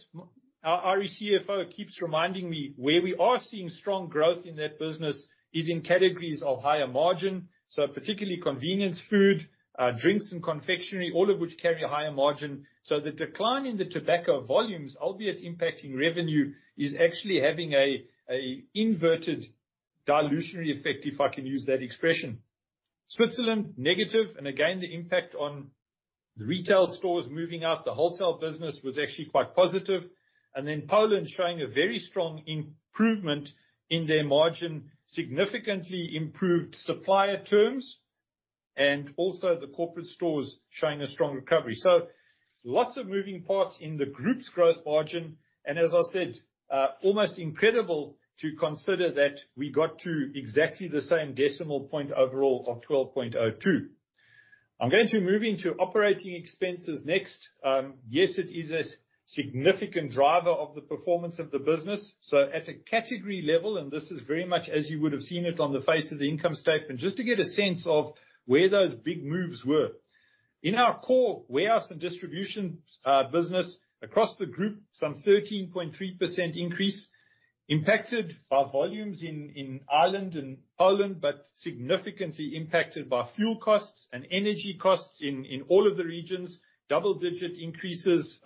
our CFO keeps reminding me, where we are seeing strong growth in that business is in categories of higher margin, so particularly convenience food, drinks, and confectionery, all of which carry higher margin, so the decline in the tobacco volumes, albeit impacting revenue, is actually having an inverted dilutionary effect, if I can use that expression. Switzerland, negative, and again, the impact on the retail stores moving out, the wholesale business was actually quite positive, and then Poland showing a very strong improvement in their margin, significantly improved supplier terms, and also the corporate stores showing a strong recovery, so lots of moving parts in the group's gross margin, and as I said, almost incredible to consider that we got to exactly the same decimal point overall of 12.02%. I'm going to move into operating expenses next. Yes, it is a significant driver of the performance of the business. So at a category level, and this is very much as you would have seen it on the face of the income statement, just to get a sense of where those big moves were. In our core warehouse and distribution business across the group, some 13.3% increase impacted by volumes in Ireland and Poland, but significantly impacted by fuel costs and energy costs in all of the regions, double-digit increases,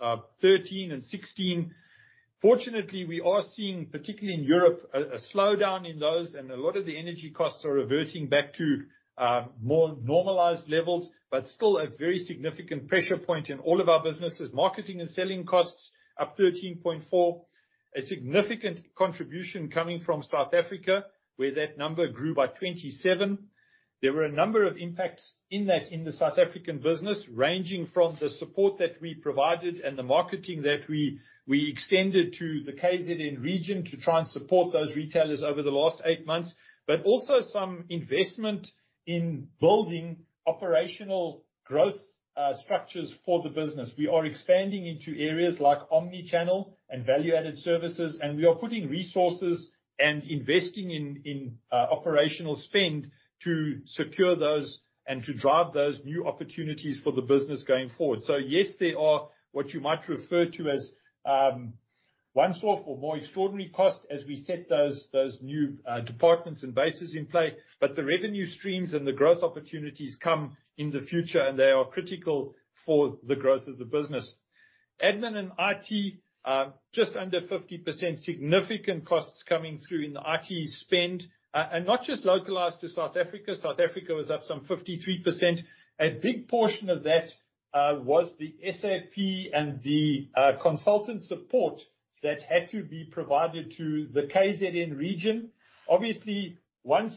13% and 16%. Fortunately, we are seeing, particularly in Europe, a slowdown in those, and a lot of the energy costs are reverting back to more normalized levels, but still a very significant pressure point in all of our businesses. Marketing and selling costs up 13.4%, a significant contribution coming from South Africa, where that number grew by 27%. There were a number of impacts in that in the South African business, ranging from the support that we provided and the marketing that we extended to the KZN region to try and support those retailers over the last eight months, but also some investment in building operational growth structures for the business. We are expanding into areas like omnichannel and value-added services, and we are putting resources and investing in operational spend to secure those and to drive those new opportunities for the business going forward. So yes, there are what you might refer to as one-off or more extraordinary costs as we set those new departments and bases in play, but the revenue streams and the growth opportunities come in the future, and they are critical for the growth of the business. Admin and IT, just under 50% significant costs coming through in the IT spend, and not just localized to South Africa. South Africa was up some 53%. A big portion of that was the SAP and the consultant support that had to be provided to the KZN region. Obviously, once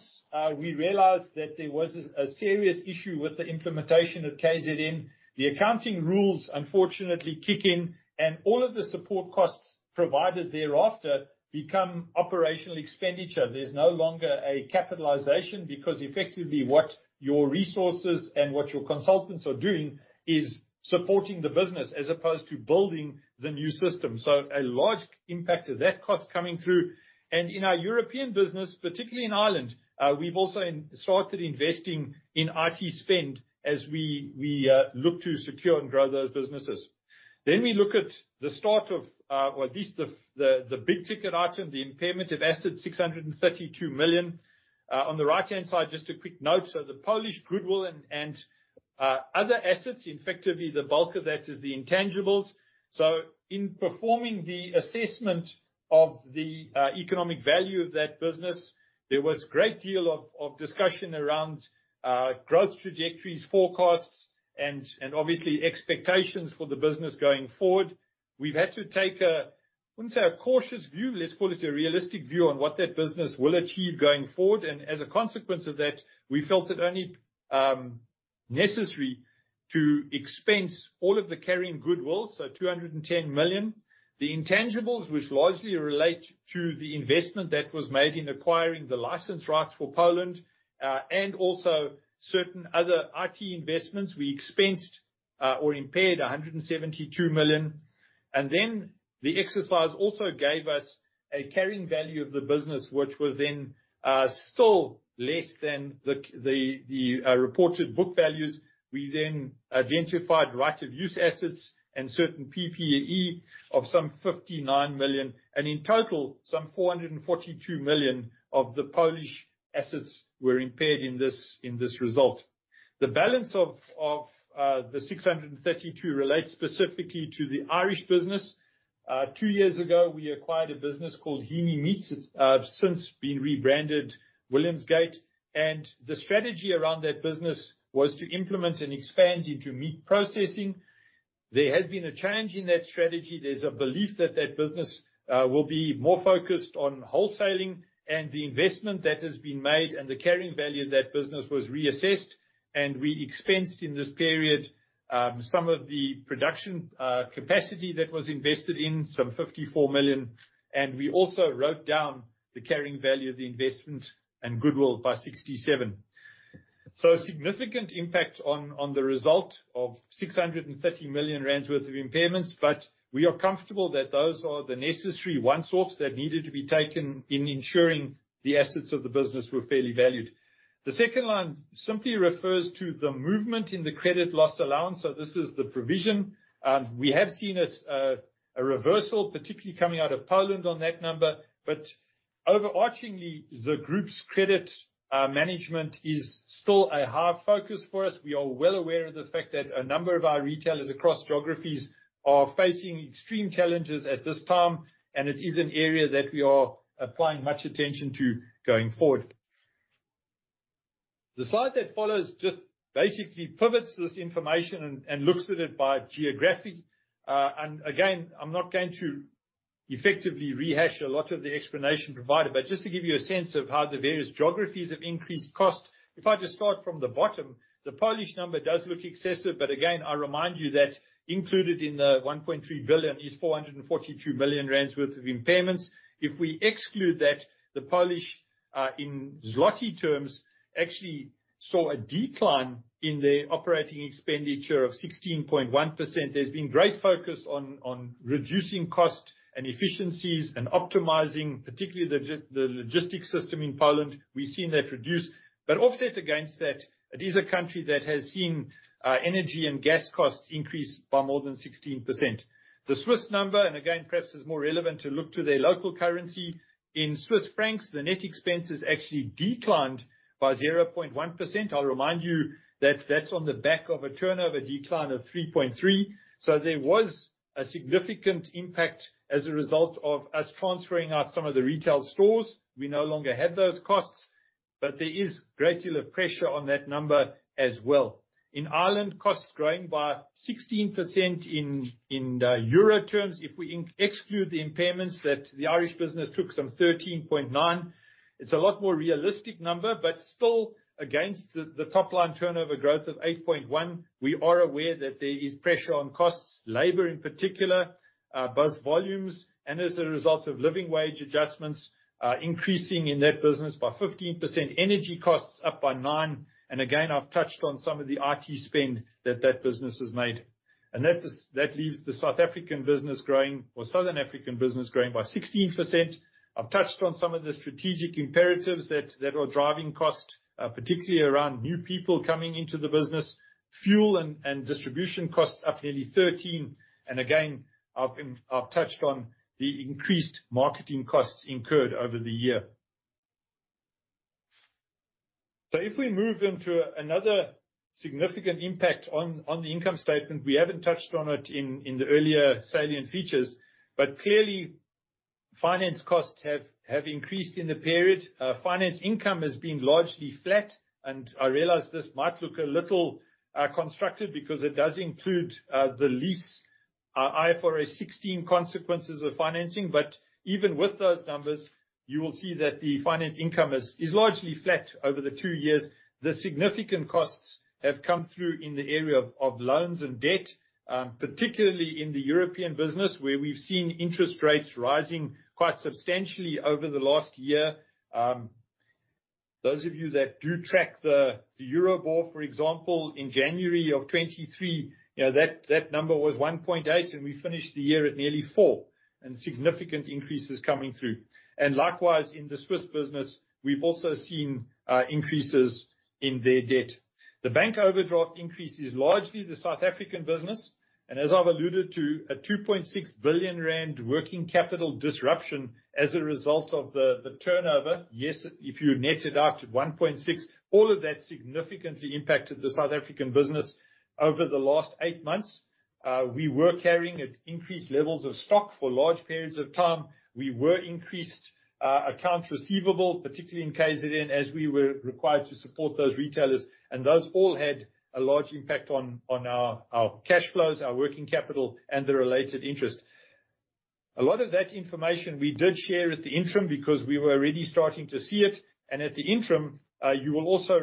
we realized that there was a serious issue with the implementation of KZN, the accounting rules unfortunately kick in, and all of the support costs provided thereafter become operational expenditure. There's no longer a capitalization because effectively what your resources and what your consultants are doing is supporting the business as opposed to building the new system. So a large impact of that cost coming through, and in our European business, particularly in Ireland, we've also started investing in IT spend as we look to secure and grow those businesses. Then we look at the start of, or at least the big ticket item, the impairment of assets, 632 million. On the right-hand side, just a quick note. So the Polish goodwill and other assets, effectively the bulk of that is the intangibles. So in performing the assessment of the economic value of that business, there was a great deal of discussion around growth trajectories, forecasts, and obviously expectations for the business going forward. We've had to take a, I wouldn't say a cautious view, let's call it a realistic view on what that business will achieve going forward. And as a consequence of that, we felt it only necessary to expense all of the carrying goodwill, so 210 million. The intangibles, which largely relate to the investment that was made in acquiring the license rights for Poland and also certain other IT investments, we expensed or impaired 172 million. And then the exercise also gave us a carrying value of the business, which was then still less than the reported book values. We then identified right-of-use assets and certain PPE of some 59 million. And in total, some 442 million of the Polish assets were impaired in this result. The balance of the 632 million relates specifically to the Irish business. Two years ago, we acquired a business called Heaney Meats. It's since been rebranded Williams Gate. And the strategy around that business was to implement and expand into meat processing. There has been a change in that strategy. There's a belief that that business will be more focused on wholesaling. And the investment that has been made and the carrying value of that business was reassessed. And we expensed in this period some of the production capacity that was invested in, some 54 million. We also wrote down the carrying value of the investment and goodwill by 67 million, so significant impact on the result of 630 million rand worth of impairments, but we are comfortable that those are the necessary one-offs that needed to be taken in ensuring the assets of the business were fairly valued. The second line simply refers to the movement in the credit loss allowance, so this is the provision. We have seen a reversal, particularly coming out of Poland on that number, but overarchingly, the group's credit management is still a hard focus for us. We are well aware of the fact that a number of our retailers across geographies are facing extreme challenges at this time, and it is an area that we are applying much attention to going forward. The slide that follows just basically pivots this information and looks at it by geography. Again, I'm not going to effectively rehash a lot of the explanation provided, but just to give you a sense of how the various geographies have increased cost. If I just start from the bottom, the Polish number does look excessive. But again, I remind you that included in the 1.3 billion is 442 million rand worth of impairments. If we exclude that, the Polish in zloty terms actually saw a decline in their operating expenditure of 16.1%. There's been great focus on reducing costs and efficiencies and optimizing, particularly the logistics system in Poland. We've seen that reduce. But offset against that, it is a country that has seen energy and gas costs increase by more than 16%. The Swiss number, and again, perhaps it's more relevant to look to their local currency. In Swiss francs, the net expenses actually declined by 0.1%. I'll remind you that that's on the back of a turnover decline of 3.3%. So there was a significant impact as a result of us transferring out some of the retail stores. We no longer had those costs, but there is great deal of pressure on that number as well. In Ireland, costs growing by 16% in euro terms. If we exclude the impairments that the Irish business took, some 13.9%. It's a lot more realistic number, but still against the top-line turnover growth of 8.1%, we are aware that there is pressure on costs, labor in particular, both volumes and as a result of living wage adjustments increasing in that business by 15%. Energy costs up by 9%. And again, I've touched on some of the IT spend that that business has made. And that leaves the South African business growing or Southern African business growing by 16%. I've touched on some of the strategic imperatives that are driving costs, particularly around new people coming into the business. Fuel and distribution costs up nearly 13%, and again, I've touched on the increased marketing costs incurred over the year, so if we move into another significant impact on the income statement, we haven't touched on it in the earlier salient features, but clearly finance costs have increased in the period. Finance income has been largely flat, and I realize this might look a little constructed because it does include the lease IFRS 16 consequences of financing, but even with those numbers, you will see that the finance income is largely flat over the two years. The significant costs have come through in the area of loans and debt, particularly in the European business, where we've seen interest rates rising quite substantially over the last year. Those of you that do track the Euribor, for example, in January of 2023, that number was 1.8, and we finished the year at nearly four, and significant increases coming through. Likewise, in the Swiss business, we've also seen increases in their debt. The bank overdraft increase is largely the South African business, and as I've alluded to, a 2.6 billion rand working capital disruption as a result of the turnover. Yes, if you net it out at 1.6, all of that significantly impacted the South African business over the last eight months. We were carrying at increased levels of stock for large periods of time. We were increased accounts receivable, particularly in KZN, as we were required to support those retailers. And those all had a large impact on our cash flows, our working capital, and the related interest. A lot of that information we did share at the interim because we were already starting to see it. And at the interim, you will also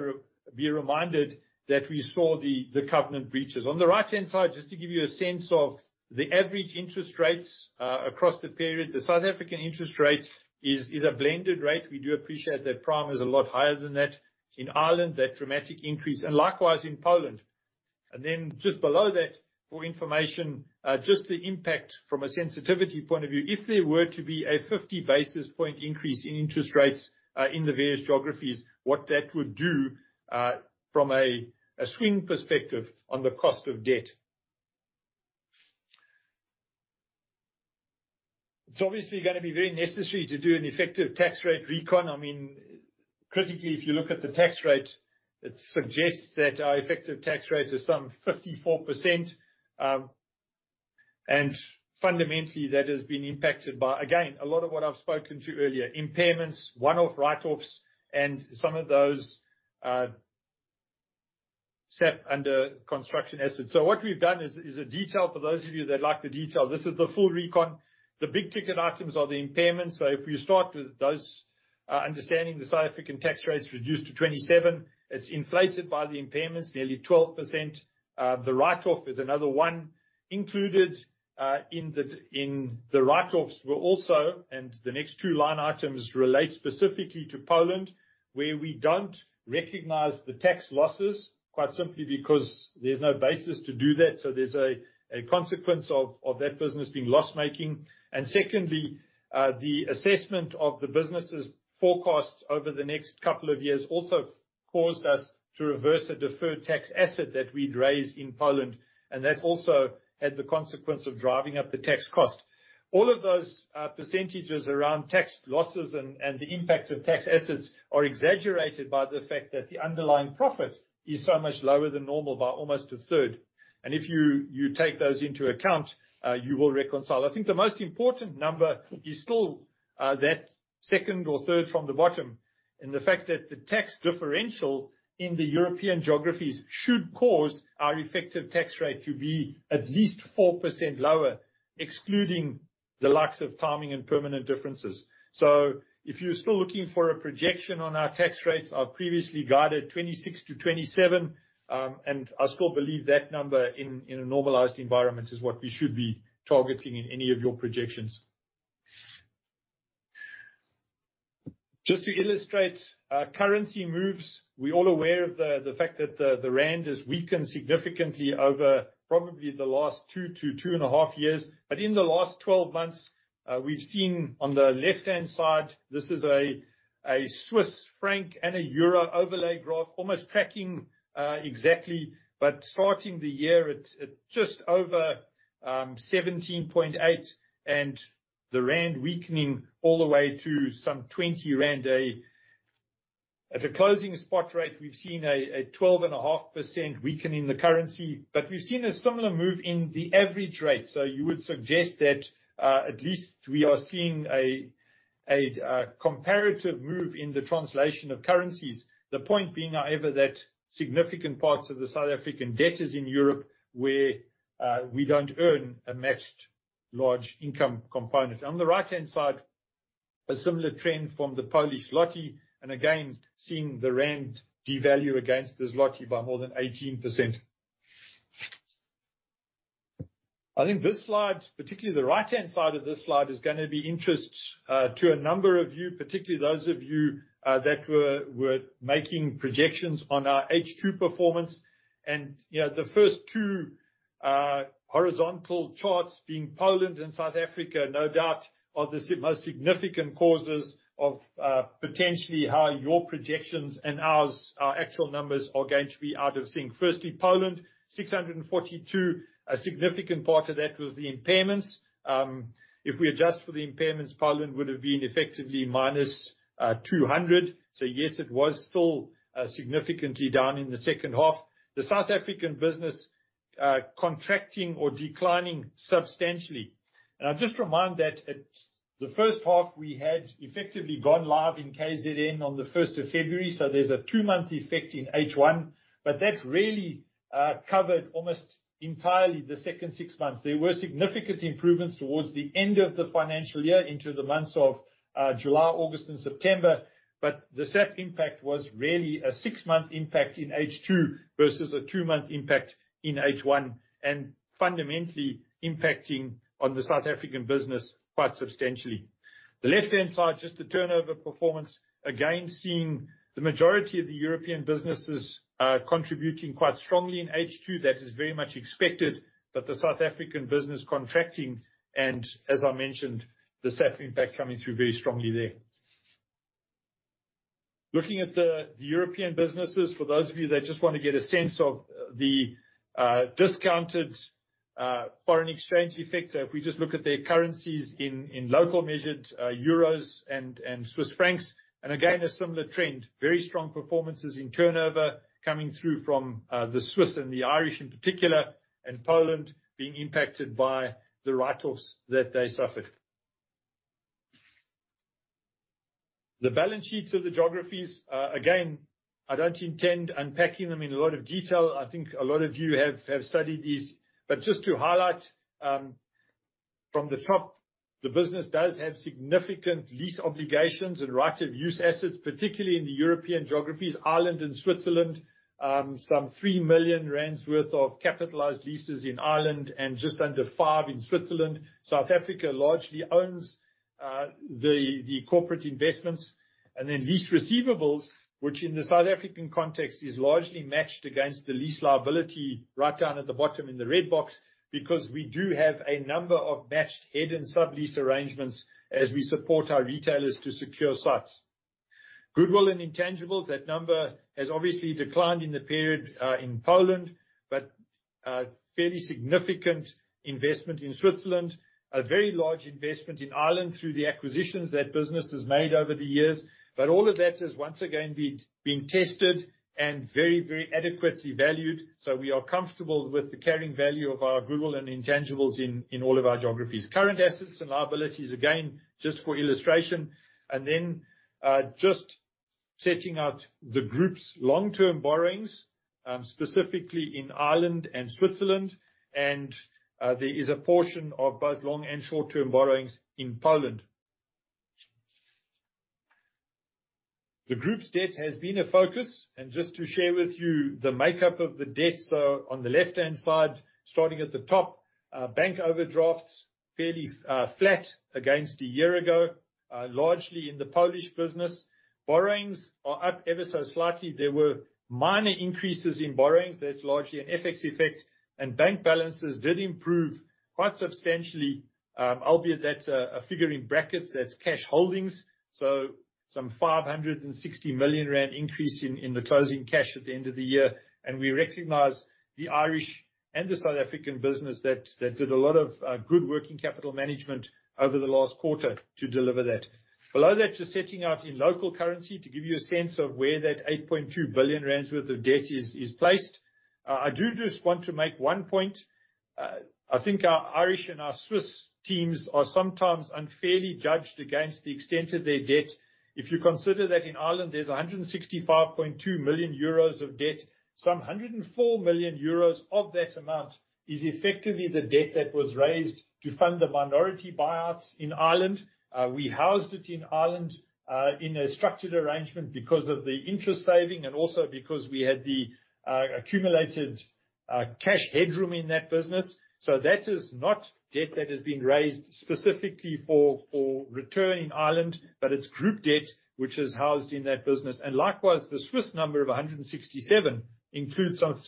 be reminded that we saw the covenant breaches. On the right-hand side, just to give you a sense of the average interest rates across the period, the South African interest rate is a blended rate. We do appreciate that prime is a lot higher than that. In Ireland, that dramatic increase. And likewise in Poland. And then just below that, for information, just the impact from a sensitivity point of view, if there were to be a 50 basis point increase in interest rates in the various geographies, what that would do from a swing perspective on the cost of debt. It's obviously going to be very necessary to do an effective tax rate recon. I mean, critically, if you look at the tax rate, it suggests that our effective tax rate is some 54%, and fundamentally, that has been impacted by, again, a lot of what I've spoken to earlier, impairments, one-off write-offs, and some of those SAP under construction assets, so what we've done is a detail for those of you that like the detail. This is the full recon. The big ticket items are the impairments, so if we start with those, understanding the South African tax rates reduced to 27%, it's inflated by the impairments, nearly 12%. The write-off is another one included in the write-offs were also, and the next two line items relate specifically to Poland, where we don't recognize the tax losses, quite simply because there's no basis to do that, so there's a consequence of that business being loss-making. Secondly, the assessment of the business's forecast over the next couple of years also caused us to reverse a deferred tax asset that we'd raised in Poland. And that also had the consequence of driving up the tax cost. All of those percentages around tax losses and the impact of tax assets are exaggerated by the fact that the underlying profit is so much lower than normal by almost a third. And if you take those into account, you will reconcile. I think the most important number is still that second or third from the bottom in the fact that the tax differential in the European geographies should cause our effective tax rate to be at least 4% lower, excluding the likes of timing and permanent differences. So if you're still looking for a projection on our tax rates, I've previously guided 26%-27%. And I still believe that number in a normalized environment is what we should be targeting in any of your projections. Just to illustrate currency moves, we're all aware of the fact that the rand has weakened significantly over probably the last two to two and a half years. But in the last 12 months, we've seen on the left-hand side, this is a Swiss franc and a euro overlay graph, almost tracking exactly, but starting the year at just over 17.8 and the rand weakening all the way to some 20 rand a day. At a closing spot rate, we've seen a 12.5% weakening in the currency, but we've seen a similar move in the average rate. So you would suggest that at least we are seeing a comparative move in the translation of currencies. The point being, however, that significant parts of the South African debt is in Europe where we don't earn a matched large income component. On the right-hand side, a similar trend from the Polish złoty, and again, seeing the rand devalue against the złoty by more than 18%. I think this slide, particularly the right-hand side of this slide, is going to be of interest to a number of you, particularly those of you that were making projections on our H2 performance, and the first two horizontal charts being Poland and South Africa, no doubt are the most significant causes of potentially how your projections and our actual numbers are going to be out of sync. Firstly, Poland, 642, a significant part of that was the impairments. If we adjust for the impairments, Poland would have been effectively -200. So yes, it was still significantly down in the second half. The South African business contracting or declining substantially, and I'll just remind that the first half we had effectively gone live in KZN on the 1st of February, so there's a two-month effect in H1, but that really covered almost entirely the second six months. There were significant improvements towards the end of the financial year into the months of July, August, and September, but the SAP impact was really a six-month impact in H2 versus a two-month impact in H1 and fundamentally impacting on the South African business quite substantially. The left-hand side, just the turnover performance, again, seeing the majority of the European businesses contributing quite strongly in H2. That is very much expected, but the South African business contracting and, as I mentioned, the SAP impact coming through very strongly there. Looking at the European businesses, for those of you that just want to get a sense of the discounted foreign exchange effect, so if we just look at their currencies in local measured euros and Swiss francs, and again, a similar trend, very strong performances in turnover coming through from the Swiss and the Irish in particular, and Poland being impacted by the write-offs that they suffered. The balance sheets of the geographies, again, I don't intend unpacking them in a lot of detail. I think a lot of you have studied these. But just to highlight from the top, the business does have significant lease obligations and right-of-use assets, particularly in the European geographies, Ireland and Switzerland, some 3 million rand worth of capitalized leases in Ireland and just under 5 million in Switzerland. South Africa largely owns the corporate investments. And then lease receivables, which in the South African context is largely matched against the lease liability right down at the bottom in the red box because we do have a number of matched head and sublease arrangements as we support our retailers to secure sites. Goodwill and intangibles, that number has obviously declined in the period in Poland, but fairly significant investment in Switzerland, a very large investment in Ireland through the acquisitions that business has made over the years. But all of that is once again being tested and very, very adequately valued. So we are comfortable with the carrying value of our goodwill and intangibles in all of our geographies. Current assets and liabilities, again, just for illustration. And then just setting out the group's long-term borrowings, specifically in Ireland and Switzerland. And there is a portion of both long and short-term borrowings in Poland. The group's debt has been a focus, and just to share with you the makeup of the debt, so on the left-hand side, starting at the top, bank overdrafts fairly flat against a year ago, largely in the Polish business. Borrowings are up ever so slightly. There were minor increases in borrowings. That's largely an FX effect, and bank balances did improve quite substantially, albeit that's a figure in brackets. That's cash holdings, so some 560 million rand increase in the closing cash at the end of the year, and we recognize the Irish and the South African business that did a lot of good working capital management over the last quarter to deliver that. Below that, just setting out in local currency to give you a sense of where that 8.2 billion rands worth of debt is placed. I do just want to make one point. I think our Irish and our Swiss teams are sometimes unfairly judged against the extent of their debt. If you consider that in Ireland, there's 165.2 million euros of debt. Some 104 million euros of that amount is effectively the debt that was raised to fund the minority buyouts in Ireland. We housed it in Ireland in a structured arrangement because of the interest saving and also because we had the accumulated cash headroom in that business. So that is not debt that has been raised specifically for return in Ireland, but it's group debt which is housed in that business. And likewise, the Swiss number of 167 million includes some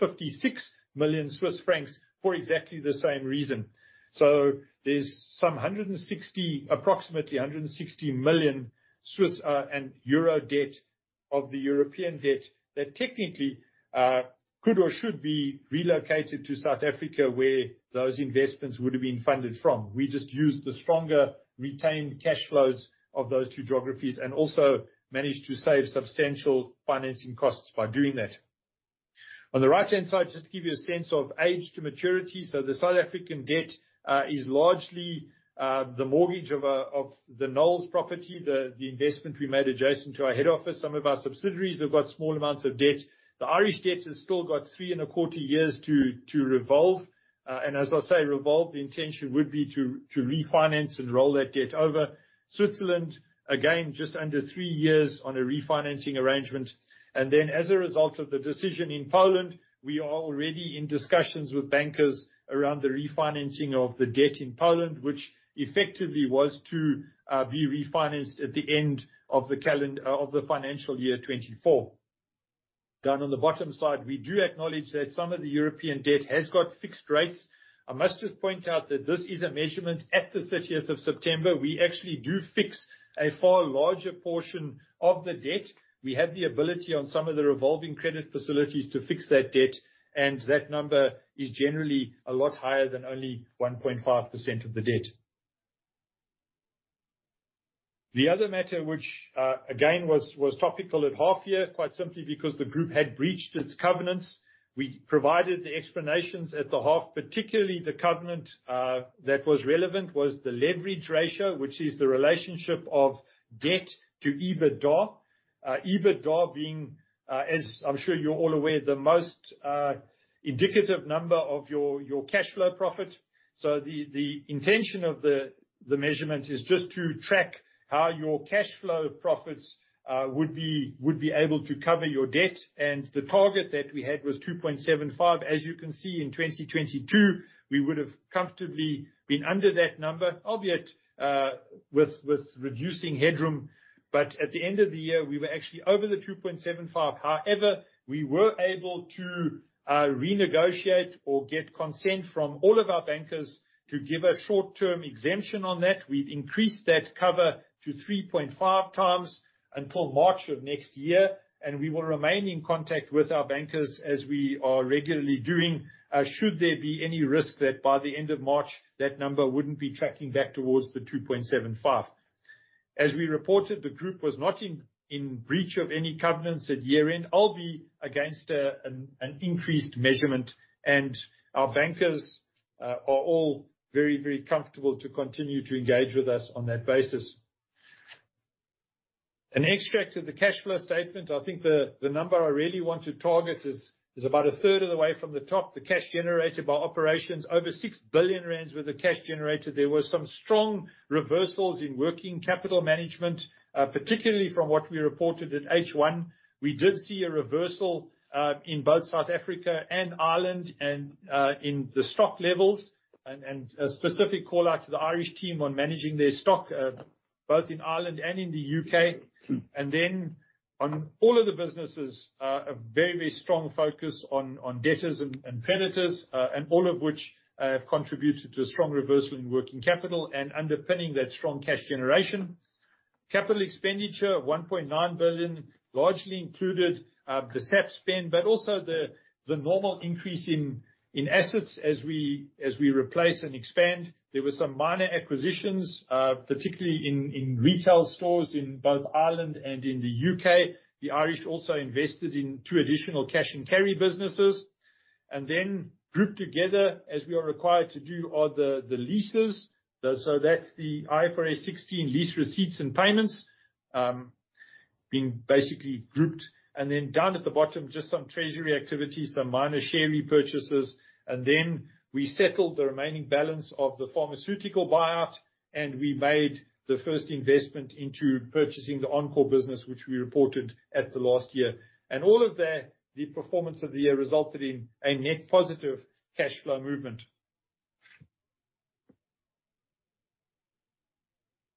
56 million Swiss francs for exactly the same reason. So there's some approximately 160 million Swiss and euro debt of the European debt that technically could or should be relocated to South Africa where those investments would have been funded from. We just used the stronger retained cash flows of those two geographies and also managed to save substantial financing costs by doing that. On the right-hand side, just to give you a sense of age to maturity. So the South African debt is largely the mortgage of the Knowles property, the investment we made adjacent to our head office. Some of our subsidiaries have got small amounts of debt. The Irish debt has still got three and a quarter years to revolve. And as I say, revolve, the intention would be to refinance and roll that debt over. Switzerland, again, just under three years on a refinancing arrangement. Then as a result of the decision in Poland, we are already in discussions with bankers around the refinancing of the debt in Poland, which effectively was to be refinanced at the end of the financial year 2024. Down on the bottom side, we do acknowledge that some of the European debt has got fixed rates. I must just point out that this is a measurement at the 30th of September. We actually do fix a far larger portion of the debt. We have the ability on some of the revolving credit facilities to fix that debt. And that number is generally a lot higher than only 1.5% of the debt. The other matter, which again was topical at half year, quite simply because the group had breached its covenants. We provided the explanations at the half. Particularly, the covenant that was relevant was the leverage ratio, which is the relationship of debt to EBITDA. EBITDA being, as I'm sure you're all aware, the most indicative number of your cash flow profit, so the intention of the measurement is just to track how your cash flow profits would be able to cover your debt, and the target that we had was 2.75x. As you can see, in 2022, we would have comfortably been under that number, albeit with reducing headroom, but at the end of the year, we were actually over the 2.75x. However, we were able to renegotiate or get consent from all of our bankers to give a short-term exemption on that. We've increased that cover to 3.5x until March of next year. We will remain in contact with our bankers as we are regularly doing should there be any risk that by the end of March, that number wouldn't be tracking back towards the 2.75x. As we reported, the group was not in breach of any covenants at year-end, albeit against an increased measurement. Our bankers are all very, very comfortable to continue to engage with us on that basis. An extract of the cash flow statement. I think the number I really want to target is about a third of the way from the top, the cash generated by operations. Over 6 billion rand worth of cash generated. There were some strong reversals in working capital management, particularly from what we reported at H1. We did see a reversal in both South Africa and Ireland and in the stock levels. And a specific call out to the Irish team on managing their stock both in Ireland and in the U.K. And then on all of the businesses, a very, very strong focus on debtors and creditors, and all of which have contributed to a strong reversal in working capital and underpinning that strong cash generation. Capital expenditure, 1.9 billion, largely included the SAP spend, but also the normal increase in assets as we replace and expand. There were some minor acquisitions, particularly in retail stores in both Ireland and in the U.K. The Irish also invested in two additional cash and carry businesses. And then grouped together, as we are required to do, are the leases. So that's the IFRS 16 lease receipts and payments being basically grouped. And then down at the bottom, just some treasury activity, some minor share repurchases. And then we settled the remaining balance of the pharmaceutical buyout, and we made the first investment into purchasing the Encore business, which we reported at the last year. And all of that, the performance of the year resulted in a net positive cash flow movement.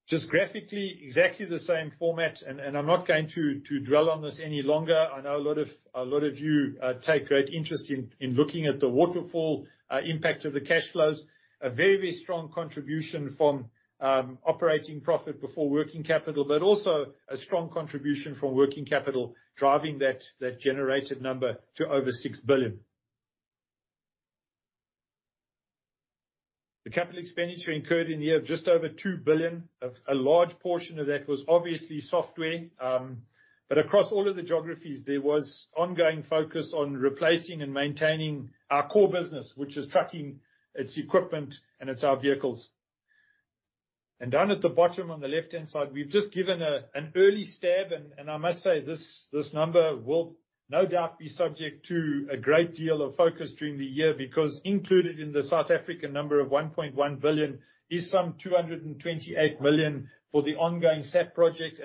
Just graphically, exactly the same format. And I'm not going to dwell on this any longer. I know a lot of you take great interest in looking at the waterfall impact of the cash flows. A very, very strong contribution from operating profit before working capital, but also a strong contribution from working capital driving that generated number to over 6 billion. The capital expenditure incurred in the year of just over 2 billion. A large portion of that was obviously software. Across all of the geographies, there was ongoing focus on replacing and maintaining our core business, which is trucking, its equipment, and it's our vehicles. Down at the bottom on the left-hand side, we've just given an early stab. I must say, this number will no doubt be subject to a great deal of focus during the year because included in the South African number of 1.1 billion is some 228 million for the ongoing SAP project.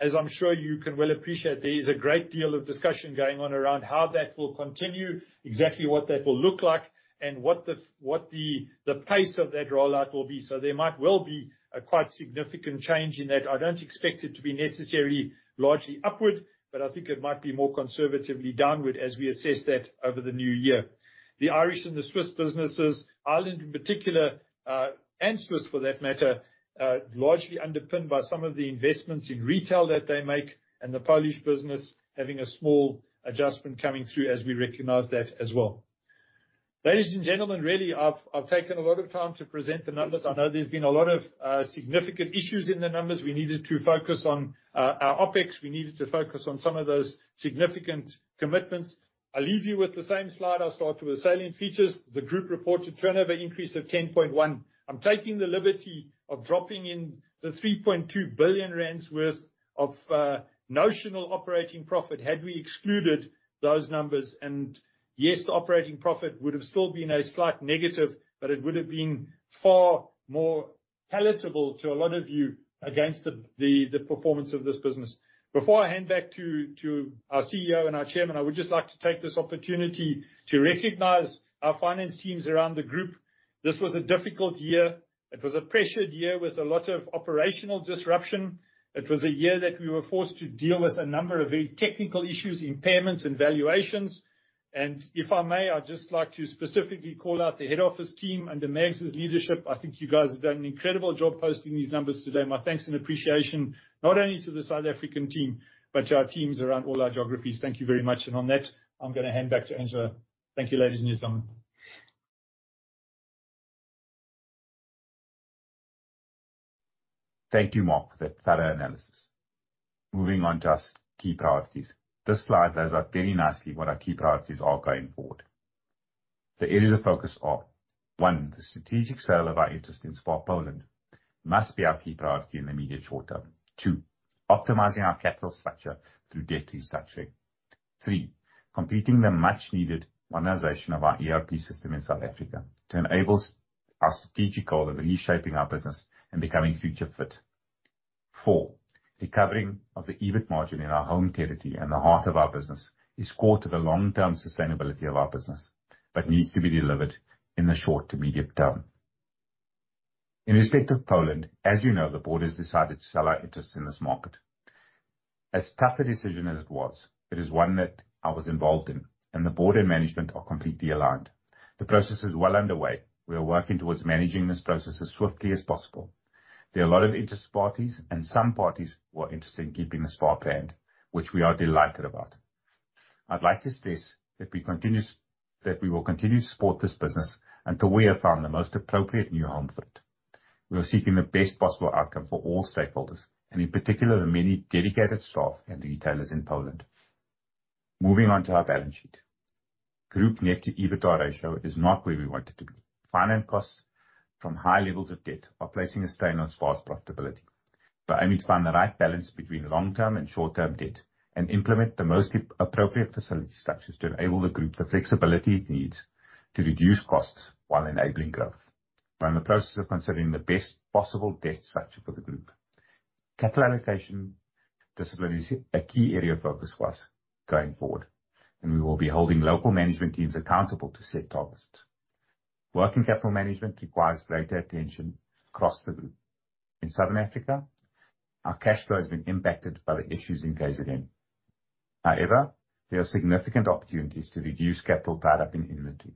As I'm sure you can well appreciate, there is a great deal of discussion going on around how that will continue, exactly what that will look like, and what the pace of that rollout will be. There might well be a quite significant change in that. I don't expect it to be necessarily largely upward, but I think it might be more conservatively downward as we assess that over the new year. The Irish and the Swiss businesses, Ireland in particular, and Swiss for that matter, largely underpinned by some of the investments in retail that they make, and the Polish business having a small adjustment coming through as we recognize that as well. Ladies and gentlemen, really, I've taken a lot of time to present the numbers. I know there's been a lot of significant issues in the numbers. We needed to focus on our OpEx. We needed to focus on some of those significant commitments. I'll leave you with the same slide. I'll start with the salient features. The group reported turnover increase of 10.1%. I'm taking the liberty of dropping in the 3.2 billion rand worth of notional operating profit had we excluded those numbers. Yes, the operating profit would have still been a slight negative, but it would have been far more palatable to a lot of you against the performance of this business. Before I hand back to our CEO and our Chairman, I would just like to take this opportunity to recognize our finance teams around the group. This was a difficult year. It was a pressured year with a lot of operational disruption. It was a year that we were forced to deal with a number of very technical issues, impairments, and valuations. If I may, I'd just like to specifically call out the head office team under Mike's leadership. I think you guys have done an incredible job posting these numbers today. My thanks and appreciation not only to the South African team, but to our teams around all our geographies. Thank you very much. And on that, I'm going to hand back to Angelo. Thank you, ladies and gentlemen. Thank you, Mark, for that thorough analysis. Moving on to our key priorities. This slide lays out very nicely what our key priorities are going forward. The areas of focus are: one, the strategic sale of our interest in SPAR Poland must be our key priority in the immediate short term. Two, optimizing our capital structure through debt restructuring. Three, completing the much-needed modernization of our ERP system in South Africa to enable our strategic goal of reshaping our business and becoming future fit. Four, recovering of the EBIT margin in our home territory and the heart of our business is core to the long-term sustainability of our business, but needs to be delivered in the short to medium term. In respect of Poland, as you know, the board has decided to sell our interests in this market. As tough a decision as it was, it is one that I was involved in, and the board and management are completely aligned. The process is well underway. We are working towards managing this process as swiftly as possible. There are a lot of interested parties, and some parties were interested in keeping the SPAR brand, which we are delighted about. I'd like to stress that we will continue to support this business until we have found the most appropriate new home for it. We are seeking the best possible outcome for all stakeholders, and in particular, the many dedicated staff and retailers in Poland. Moving on to our balance sheet. Group net debt to EBITDA ratio is not where we want it to be. Finance costs from high levels of debt are placing a strain on SPAR's profitability. But I need to find the right balance between long-term and short-term debt and implement the most appropriate facility structures to enable the group the flexibility it needs to reduce costs while enabling growth. I'm in the process of considering the best possible debt structure for the group. Capital allocation. Sustainability is a key area of focus for us going forward, and we will be holding local management teams accountable to set targets. Working capital management requires greater attention across the group. In Southern Africa, our cash flow has been impacted by the issues in KZN. However, there are significant opportunities to reduce capital tied up in inventory,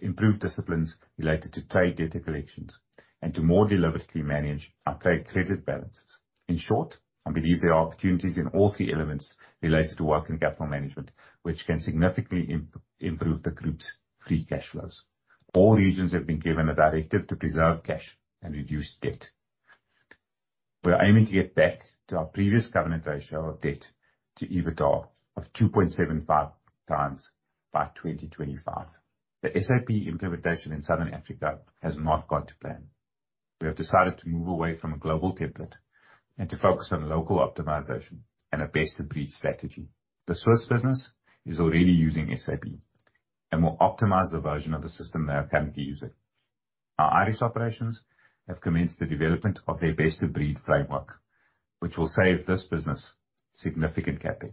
improve disciplines related to trade data collections, and to more deliberately manage our trade credit balances. In short, I believe there are opportunities in all three elements related to working capital management, which can significantly improve the group's free cash flows. All regions have been given a directive to preserve cash and reduce debt. We're aiming to get back to our previous government ratio of debt to EBITDA of 2.75x by 2025. The SAP implementation in Southern Africa has not gone to plan. We have decided to move away from a global template and to focus on local optimization and a best-of-breed strategy. The Swiss business is already using SAP, a more optimized version of the system they are currently using. Our Irish operations have commenced the development of their best-of-breed framework, which will save this business significant CapEx.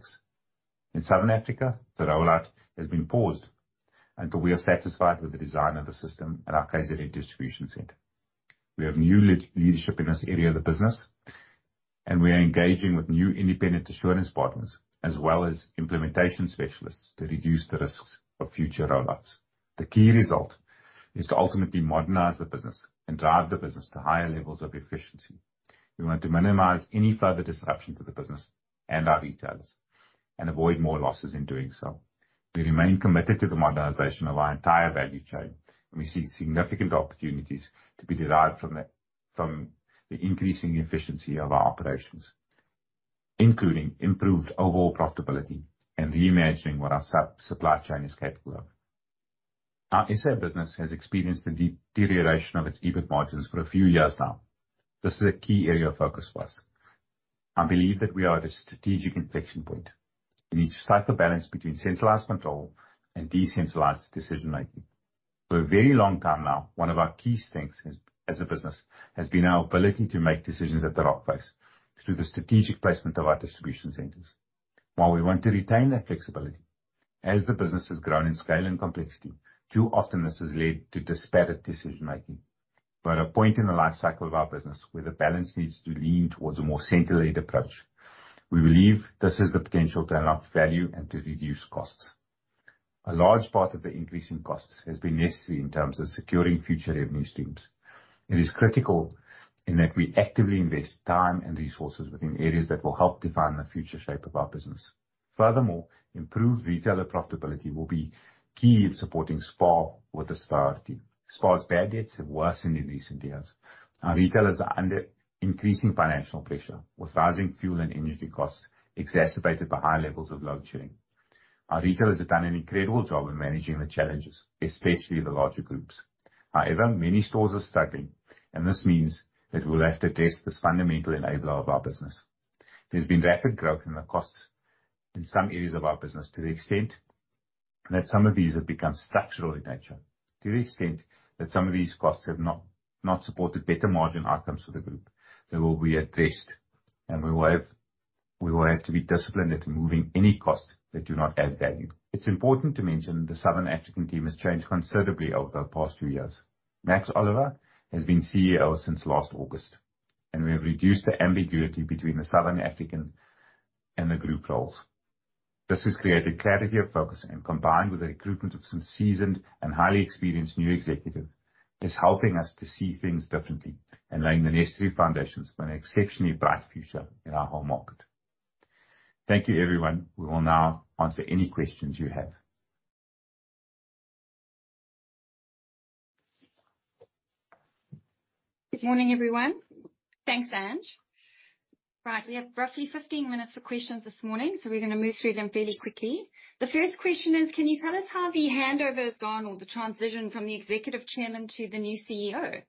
In Southern Africa, the rollout has been paused until we are satisfied with the design of the system at our KZN Distribution Center. We have new leadership in this area of the business, and we are engaging with new independent assurance partners as well as implementation specialists to reduce the risks of future rollouts. The key result is to ultimately modernize the business and drive the business to higher levels of efficiency. We want to minimize any further disruption to the business and our retailers and avoid more losses in doing so. We remain committed to the modernization of our entire value chain, and we see significant opportunities to be derived from the increasing efficiency of our operations, including improved overall profitability and reimagining what our supply chain is capable of. Our SA business has experienced a deterioration of its EBIT margins for a few years now. This is a key area of focus for us. I believe that we are at a strategic inflection point. We need to strike a balance between centralized control and decentralized decision-making. For a very long time now, one of our key strengths as a business has been our ability to make decisions at the right place through the strategic placement of our distribution centers. While we want to retain that flexibility, as the business has grown in scale and complexity, too often this has led to disparate decision-making. We're at a point in the life cycle of our business where the balance needs to lean towards a more centered approach. We believe this has the potential to unlock value and to reduce costs. A large part of the increasing costs has been necessary in terms of securing future revenue streams. It is critical in that we actively invest time and resources within areas that will help define the future shape of our business. Furthermore, improved retailer profitability will be key in supporting SPAR with its priority. SPAR's bad debts have worsened in recent years. Our retailers are under increasing financial pressure, with rising fuel and energy costs exacerbated by high levels of load shedding. Our retailers have done an incredible job in managing the challenges, especially the larger groups. However, many stores are struggling, and this means that we'll have to test this fundamental enabler of our business. There's been rapid growth in the costs in some areas of our business to the extent that some of these have become structural in nature. To the extent that some of these costs have not supported better margin outcomes for the group, they will be addressed, and we will have to be disciplined at removing any costs that do not add value. It's important to mention the Southern African team has changed considerably over the past few years. Max Oliva has been CEO since last August, and we have reduced the ambiguity between the Southern African and the group roles. This has created clarity of focus, and combined with the recruitment of some seasoned and highly experienced new executives, it's helping us to see things differently and laying the necessary foundations for an exceptionally bright future in our whole market. Thank you, everyone. We will now answer any questions you have. Good morning, everyone. Thanks, Angelo. Right, we have roughly 15 minutes for questions this morning, so we're going to move through them fairly quickly. The first question is, can you tell us how the handover has gone or the transition from the executive chairman to the new CEO?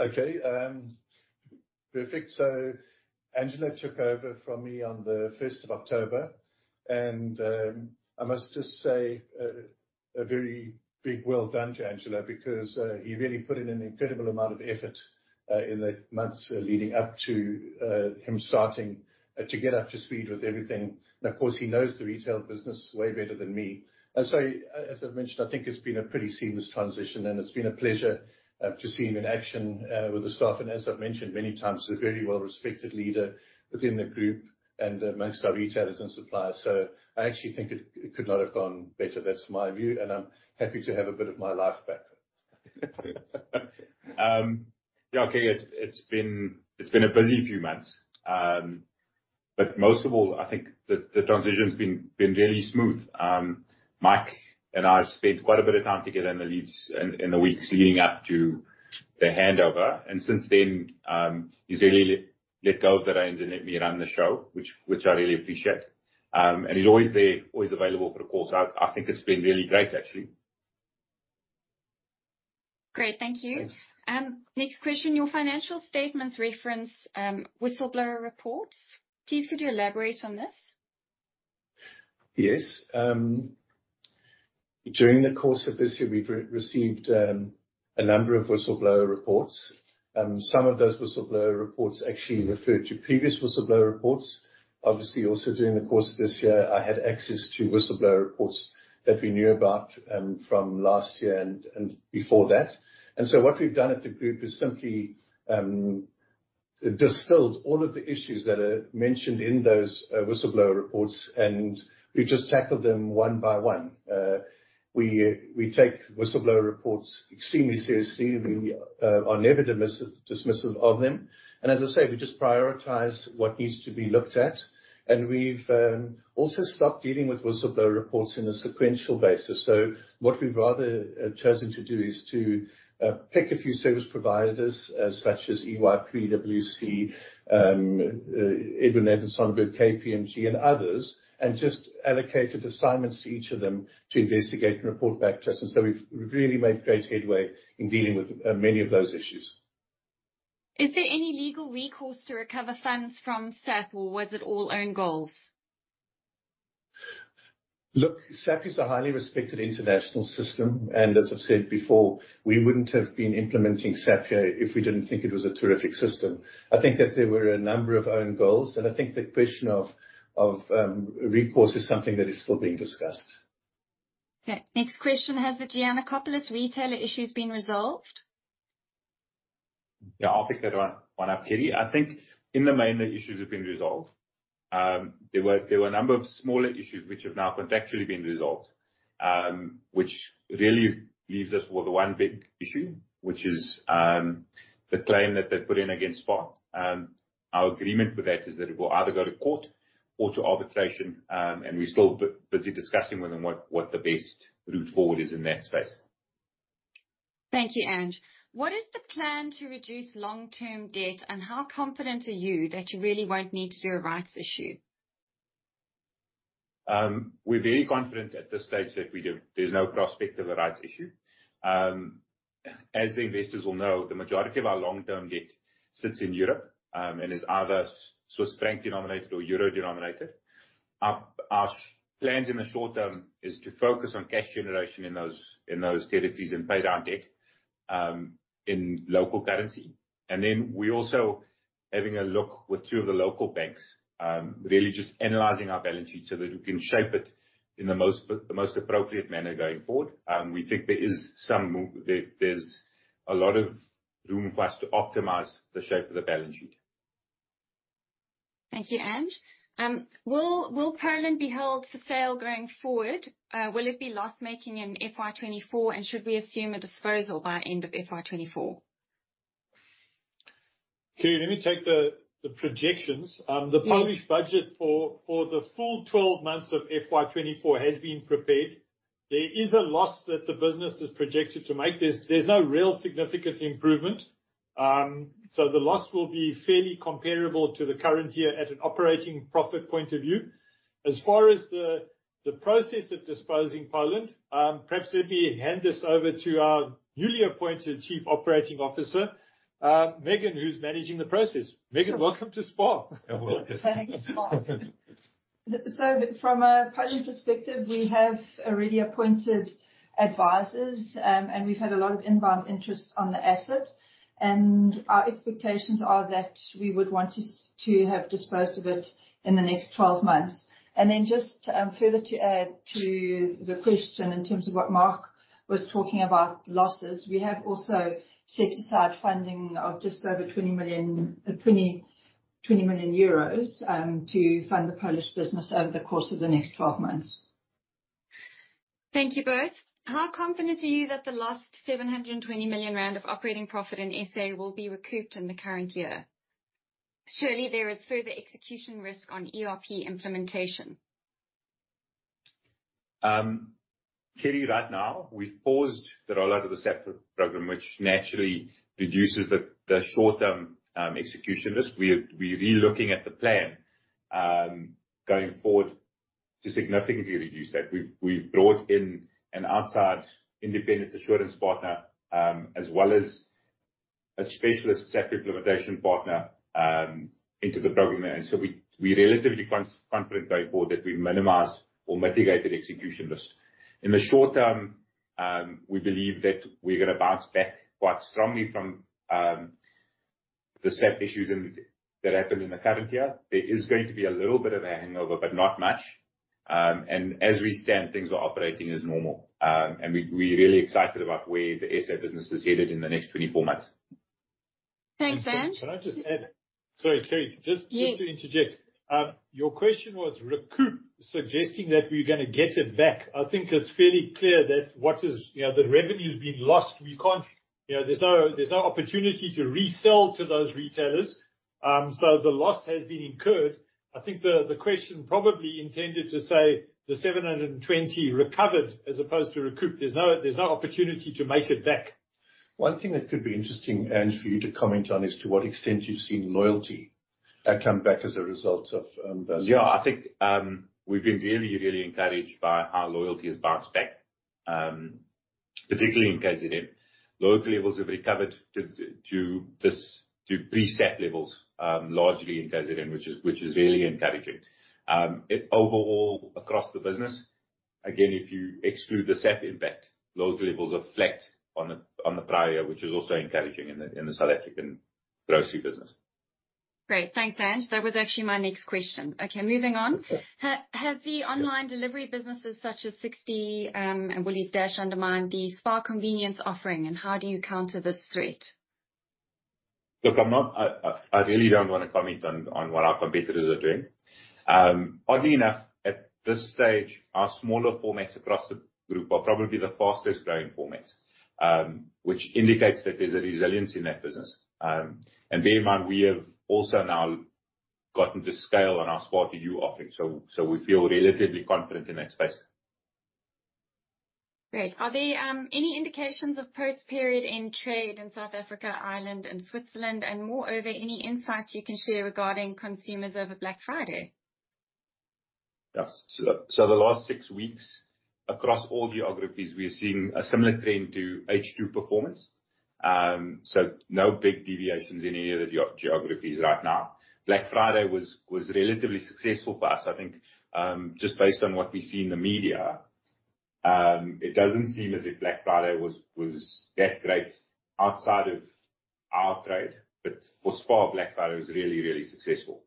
Okay, perfect. So Angelo took over from me on the 1st of October, and I must just say a very big well done to Angelo because he really put in an incredible amount of effort in the months leading up to him starting to get up to speed with everything. And of course, he knows the retail business way better than me. And so, as I've mentioned, I think it's been a pretty seamless transition, and it's been a pleasure to see him in action with the staff. And as I've mentioned many times, he's a very well-respected leader within the group and amongst our retailers and suppliers. So I actually think it could not have gone better. That's my view, and I'm happy to have a bit of my life back. Yeah, okay, it's been a busy few months, but most of all, I think the transition has been really smooth. Mike and I have spent quite a bit of time together in the weeks leading up to the handover, and since then, he's really let go of the reins and let me run the show, which I really appreciate, and he's always there, always available for the call. So I think it's been really great, actually. Great, thank you. Next question, your financial statements reference whistleblower reports. Please could you elaborate on this? Yes. During the course of this year, we've received a number of whistleblower reports. Some of those whistleblower reports actually referred to previous whistleblower reports. Obviously, also during the course of this year, I had access to whistleblower reports that we knew about from last year and before that. And so what we've done at the group is simply distilled all of the issues that are mentioned in those whistleblower reports, and we've just tackled them one by one. We take whistleblower reports extremely seriously. We are never dismissive of them. And as I say, we just prioritize what needs to be looked at. And we've also stopped dealing with whistleblower reports on a sequential basis. So what we've rather chosen to do is to pick a few service providers such as EY, PwC, Deloitte, KPMG, and others, and just allocated assignments to each of them to investigate and report back to us. And so we've really made great headway in dealing with many of those issues. Is there any legal recourse to recover funds from SAP or was it all own goals? Look, SAP is a highly respected international system, and as I've said before, we wouldn't have been implementing SAP here if we didn't think it was a terrific system. I think that there were a number of own goals, and I think the question of recourse is something that is still being discussed. Okay, next question, has the Giannacopoulos retailer issues been resolved? Yeah, I'll pick that one up, Kitty. I think in the main, the issues have been resolved. There were a number of smaller issues which have now contextually been resolved, which really leaves us with one big issue, which is the claim that they've put in against SPAR. Our agreement with that is that it will either go to court or to arbitration, and we're still busy discussing with them what the best route forward is in that space. Thank you, Angelo. What is the plan to reduce long-term debt, and how confident are you that you really won't need to do a rights issue? We're very confident at this stage that there's no prospect of a rights issue. As the investors will know, the majority of our long-term debt sits in Europe and is either Swiss franc denominated or euro denominated. Our plans in the short term are to focus on cash generation in those territories and pay down debt in local currency and then we're also having a look with two of the local banks, really just analyzing our balance sheet so that we can shape it in the most appropriate manner going forward. We think there is a lot of room for us to optimize the shape of the balance sheet. Thank you, Angelo. Will Poland be held for sale going forward? Will it be loss-making in FY 2024, and should we assume a disposal by end of FY 2024? Okay, let me take the projections. The published budget for the full 12 months of FY 2024 has been prepared. There is a loss that the business is projected to make. There's no real significant improvement. So the loss will be fairly comparable to the current year at an operating profit point of view. As far as the process of disposing Poland, perhaps let me hand this over to our newly appointed Chief Operating Officer, Megan, who's managing the process. Megan, welcome to SPAR. Thanks, SPAR. So from a Poland perspective, we have already appointed advisors, and we've had a lot of inbound interest on the asset, and our expectations are that we would want to have disposed of it in the next 12 months. And then just further to add to the question in terms of what Mark was talking about, losses, we have also set aside funding of just over 20 million euros to fund the Polish business over the course of the next 12 months. Thank you both. How confident are you that the last 720 million rand of operating profit in SA will be recouped in the current year? Surely there is further execution risk on ERP implementation. Kitty, right now, we've paused the rollout of the SAP program, which naturally reduces the short-term execution risk. We're relooking at the plan going forward to significantly reduce that. We've brought in an outside independent assurance partner as well as a specialist SAP implementation partner into the program, and so we're relatively confident going forward that we've minimized or mitigated execution risk. In the short term, we believe that we're going to bounce back quite strongly from the SAP issues that happened in the current year. There is going to be a little bit of a hangover, but not much, and as we stand, things are operating as normal, and we're really excited about where the SA business is headed in the next 24 months. Thanks, Angelo. Can I just add? Sorry, Kitty, just to interject. Your question was recoup, suggesting that we're going to get it back. I think it's fairly clear that the revenue has been lost. There's no opportunity to resell to those retailers. So the loss has been incurred. I think the question probably intended to say the 720 recovered as opposed to recouped. There's no opportunity to make it back. One thing that could be interesting, Angelo, for you to comment on is to what extent you've seen loyalty come back as a result of those. Yeah, I think we've been really, really encouraged by how loyalty has bounced back, particularly in KZN. Loyalty levels have recovered to pre-SAP levels, largely in KZN, which is really encouraging. Overall, across the business, again, if you exclude the SAP impact, loyalty levels have flat on the prior, which is also encouraging in the South African grocery business. Great. Thanks, Angelo. That was actually my next question. Okay, moving on. Have the online delivery businesses such as Sixty60 and Woolies Dash undermined the SPAR convenience offering, and how do you counter this threat? Look, I really don't want to comment on what our competitors are doing. Oddly enough, at this stage, our smaller formats across the group are probably the fastest growing formats, which indicates that there's a resiliency in that business. And bear in mind, we have also now gotten to scale on our SPAR2U offering, so we feel relatively confident in that space. Great. Are there any indications of post-period in trade in South Africa, Ireland, and Switzerland, and moreover, any insights you can share regarding consumers over Black Friday? So the last six weeks, across all geographies, we're seeing a similar trend to H2 performance. So no big deviations in any of the geographies right now. Black Friday was relatively successful for us. I think just based on what we see in the media, it doesn't seem as if Black Friday was that great outside of our trade, but for SPAR, Black Friday was really, really successful.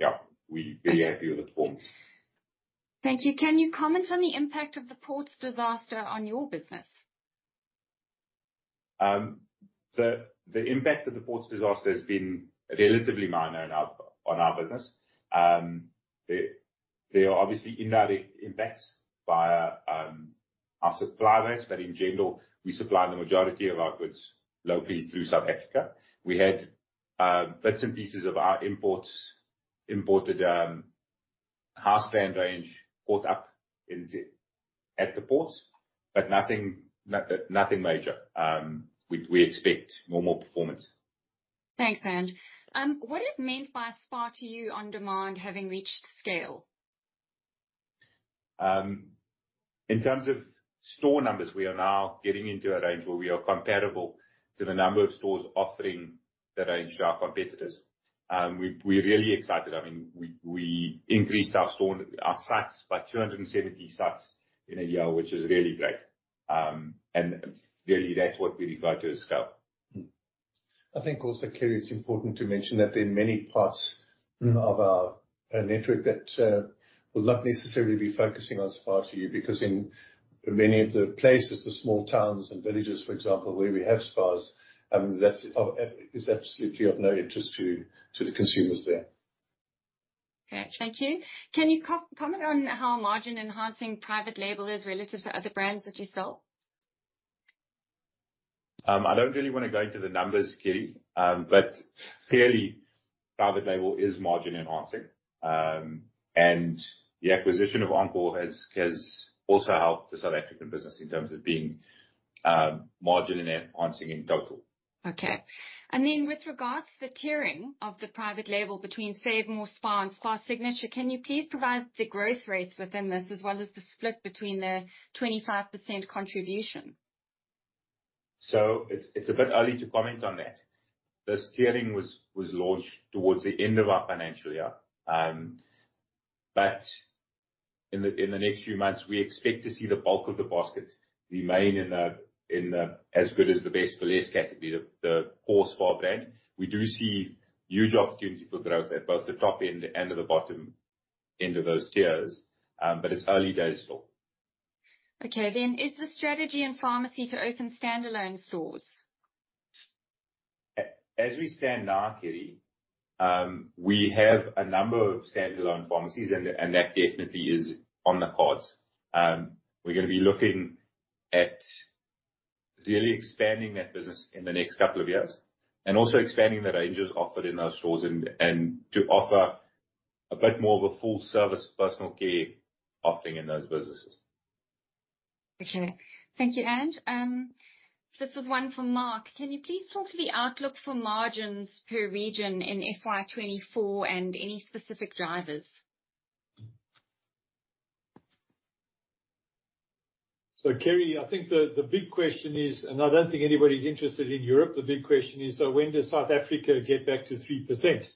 Yeah, we're very happy with the performance. Thank you. Can you comment on the impact of the ports disaster on your business? The impact of the ports disaster has been relatively minor on our business. There are obviously indirect impacts by our suppliers, but in general, we supply the majority of our goods locally through South Africa. We had bits and pieces of our imported house brand range caught up at the ports, but nothing major. We expect normal performance. Thanks, Angelo. What is meant by SPAR2U on demand having reached scale? In terms of store numbers, we are now getting into a range where we are comparable to the number of stores offering the range to our competitors. We're really excited. I mean, we increased our SPARs by 270 SPARs in a year, which is really great. And really, that's what we refer to as scale. I think also, Kitty, it's important to mention that there are many parts of our network that will not necessarily be focusing on SPAR2U because in many of the places, the small towns and villages, for example, where we have SPARs, that is absolutely of no interest to the consumers there. Okay, thank you. Can you comment on how margin-enhancing private label is relative to other brands that you sell? I don't really want to go into the numbers, Kitty, but clearly, private label is margin-enhancing. The acquisition of Encore has also helped the South African business in terms of being margin-enhancing in total. Okay. Then with regards to the tiering of the private label between SaveMor, SPAR, and SPAR Signature, can you please provide the growth rates within this as well as the split between the 25% contribution? It's a bit early to comment on that. This tiering was launched towards the end of our financial year. In the next few months, we expect to see the bulk of the basket remain in the As Good As The Best For Less category, the core SPAR brand. We do see huge opportunity for growth at both the top end and at the bottom end of those tiers, but it's early days still. Okay. Is the strategy in pharmacy to open standalone stores? As we stand now, Kitty, we have a number of standalone pharmacies, and that definitely is on the cards. We're going to be looking at really expanding that business in the next couple of years and also expanding the ranges offered in those stores and to offer a bit more of a full-service personal care offering in those businesses. Okay. Thank you, Angelo. This was one for Mark. Can you please talk to the outlook for margins per region in FY 2024 and any specific drivers? So, Kitty, I think the big question is, and I don't think anybody's interested in Europe, the big question is, so when does South Africa get back to 3%?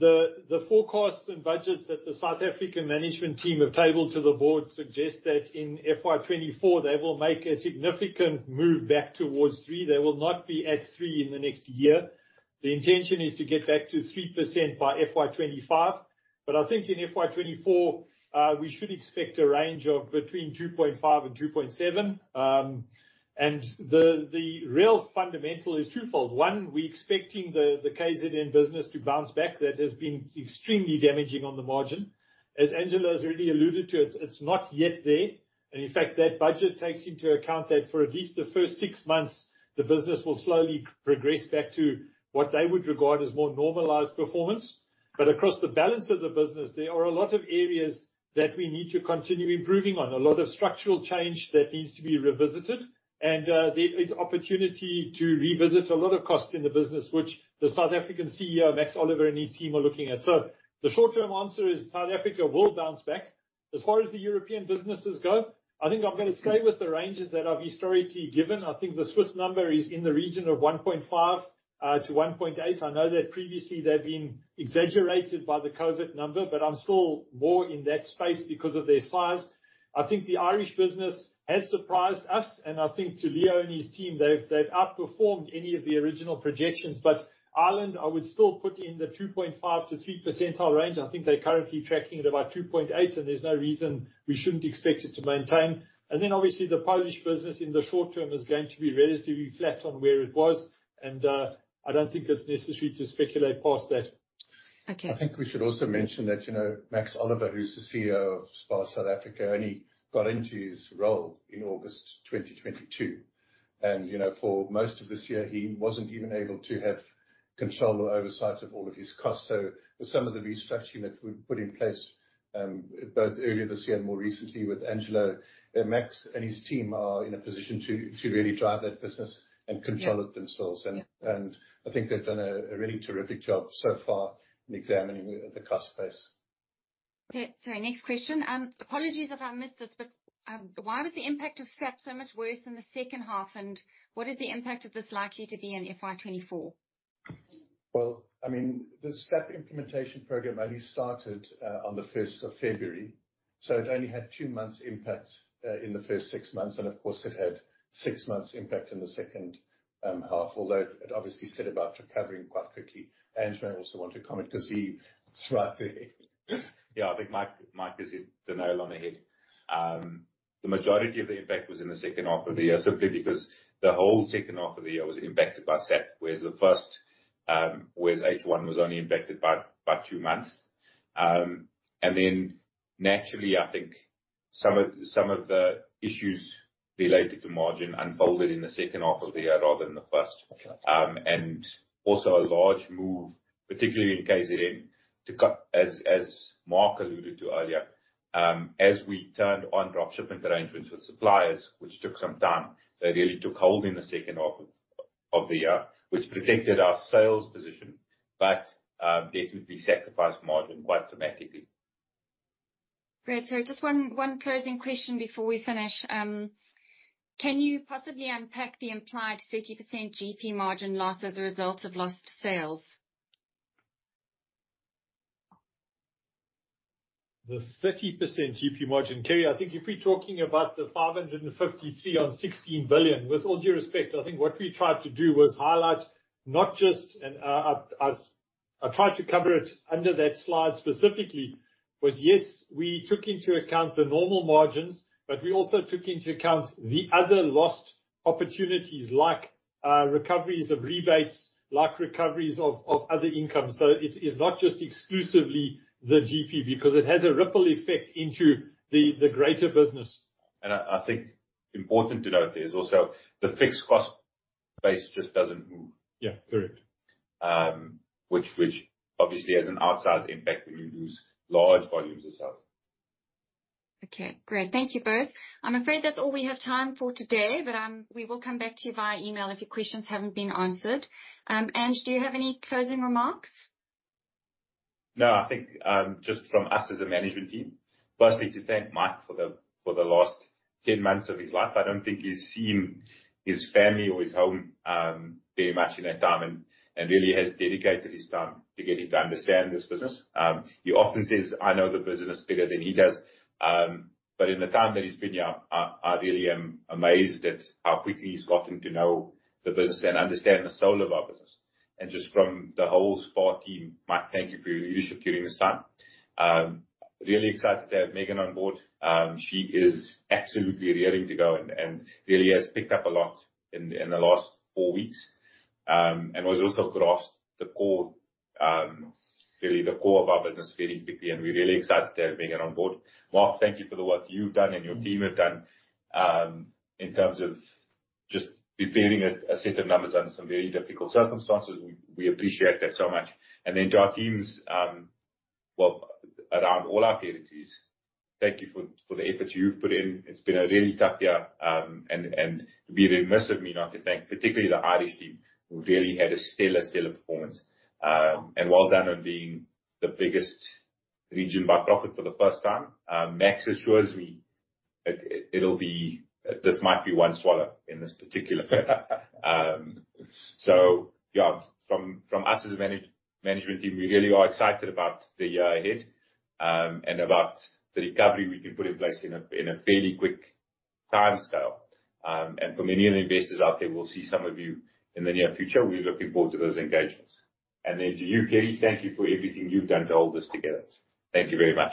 The forecasts and budgets that the South African management team have tabled to the board suggest that in FY 2024, they will make a significant move back towards 3%. They will not be at 3% in the next year. The intention is to get back to 3% by FY 2025, but I think in FY 2024, we should expect a range of between 2.5%-2.7%. The real fundamental is twofold. One, we're expecting the KZN business to bounce back. That has been extremely damaging on the margin. As Angelo has already alluded to, it's not yet there. In fact, that budget takes into account that for at least the first six months, the business will slowly progress back to what they would regard as more normalized performance. Across the balance of the business, there are a lot of areas that we need to continue improving on, a lot of structural change that needs to be revisited. And there is opportunity to revisit a lot of costs in the business, which the South African CEO, Max Oliva, and his team are looking at. So the short-term answer is South Africa will bounce back. As far as the European businesses go, I think I'm going to stay with the ranges that I've historically given. I think the Swiss number is in the region of 1.5%-1.8%. I know that previously they've been exaggerated by the COVID number, but I'm still more in that space because of their size. I think the Irish business has surprised us. And I think to Leo and his team, they've outperformed any of the original projections. But Ireland, I would still put in the 2.5%-3% range. I think they're currently tracking at about 2.8%, and there's no reason we shouldn't expect it to maintain. And then obviously, the Polish business in the short term is going to be relatively flat on where it was. And I don't think it's necessary to speculate past that. I think we should also mention that Max Oliva, who's the CEO of SPAR South Africa, only got into his role in August 2022. And for most of this year, he wasn't even able to have control or oversight of all of his costs. So some of the restructuring that we've put in place, both earlier this year and more recently with Angelo, Max and his team are in a position to really drive that business and control it themselves. And I think they've done a really terrific job so far in examining the cost base. Okay, sorry. Next question. Apologies if I missed this, but why was the impact of SAP so much worse in the second half? What is the impact of this likely to be in FY 2024? Well, I mean, the SAP implementation program only started on the 1st of February. So it only had two months' impact in the first six months. And of course, it had six months' impact in the second half, although it obviously set about recovering quite quickly. Ange, I also want to comment because he's right there. Yeah, I think Mike hits the nail on the head. The majority of the impact was in the second half of the year, simply because the whole second half of the year was impacted by SAP, whereas H1 was only impacted by two months. And then naturally, I think some of the issues related to margin unfolded in the second half of the year rather than the first. And also a large move, particularly in KZN, as Mark alluded to earlier, as we turned on dropshipping arrangements with suppliers, which took some time. They really took hold in the second half of the year, which protected our sales position, but definitely sacrificed margin quite dramatically. Great. So just one closing question before we finish. Can you possibly unpack the implied 30% GP margin loss as a result of lost sales? The 30% GP margin, Kitty, I think if we're talking about the 553 on 16 billion, with all due respect, I think what we tried to do was highlight not just, and I tried to cover it under that slide specifically, was yes, we took into account the normal margins, but we also took into account the other lost opportunities like recoveries of rebates, like recoveries of other income. So it is not just exclusively the GP because it has a ripple effect into the greater business. And I think important to note there is also the fixed cost base just doesn't move. Yeah, correct. Which obviously has an outsized impact when you lose large volumes of sales. Okay, great. Thank you both. I'm afraid that's all we have time for today, but we will come back to you via email if your questions haven't been answered. Ange, do you have any closing remarks? No, I think just from us as a management team, firstly, to thank Mike for the last 10 months of his life. I don't think he's seen his family or his home very much in that time and really has dedicated his time to getting to understand this business. He often says, "I know the business better than he does." But in the time that he's been here, I really am amazed at how quickly he's gotten to know the business and understand the soul of our business. And just from the whole SPAR team, Mike, thank you for your leadership during this time. Really excited to have Megan on board. She is absolutely ready to go and really has picked up a lot in the last four weeks. And has also grasped the core, really the core, of our business very quickly. And we're really excited to have Megan on board. Mark, thank you for the work you've done and your team have done in terms of just preparing a set of numbers under some very difficult circumstances. We appreciate that so much. And then to our teams, well, around all our territories, thank you for the efforts you've put in. It's been a really tough year. And it would be remiss of me not to thank particularly the Irish team, who really had a stellar, stellar performance. And well done on being the biggest region by profit for the first time. Max assures me this might be one swallow in this particular. So yeah, from us as a management team, we really are excited about the year ahead and about the recovery we can put in place in a fairly quick time scale. And for many of the investors out there, we'll see some of you in the near future. We're looking forward to those engagements. And then to you, Kitty, thank you for everything you've done to hold us together. Thank you very much.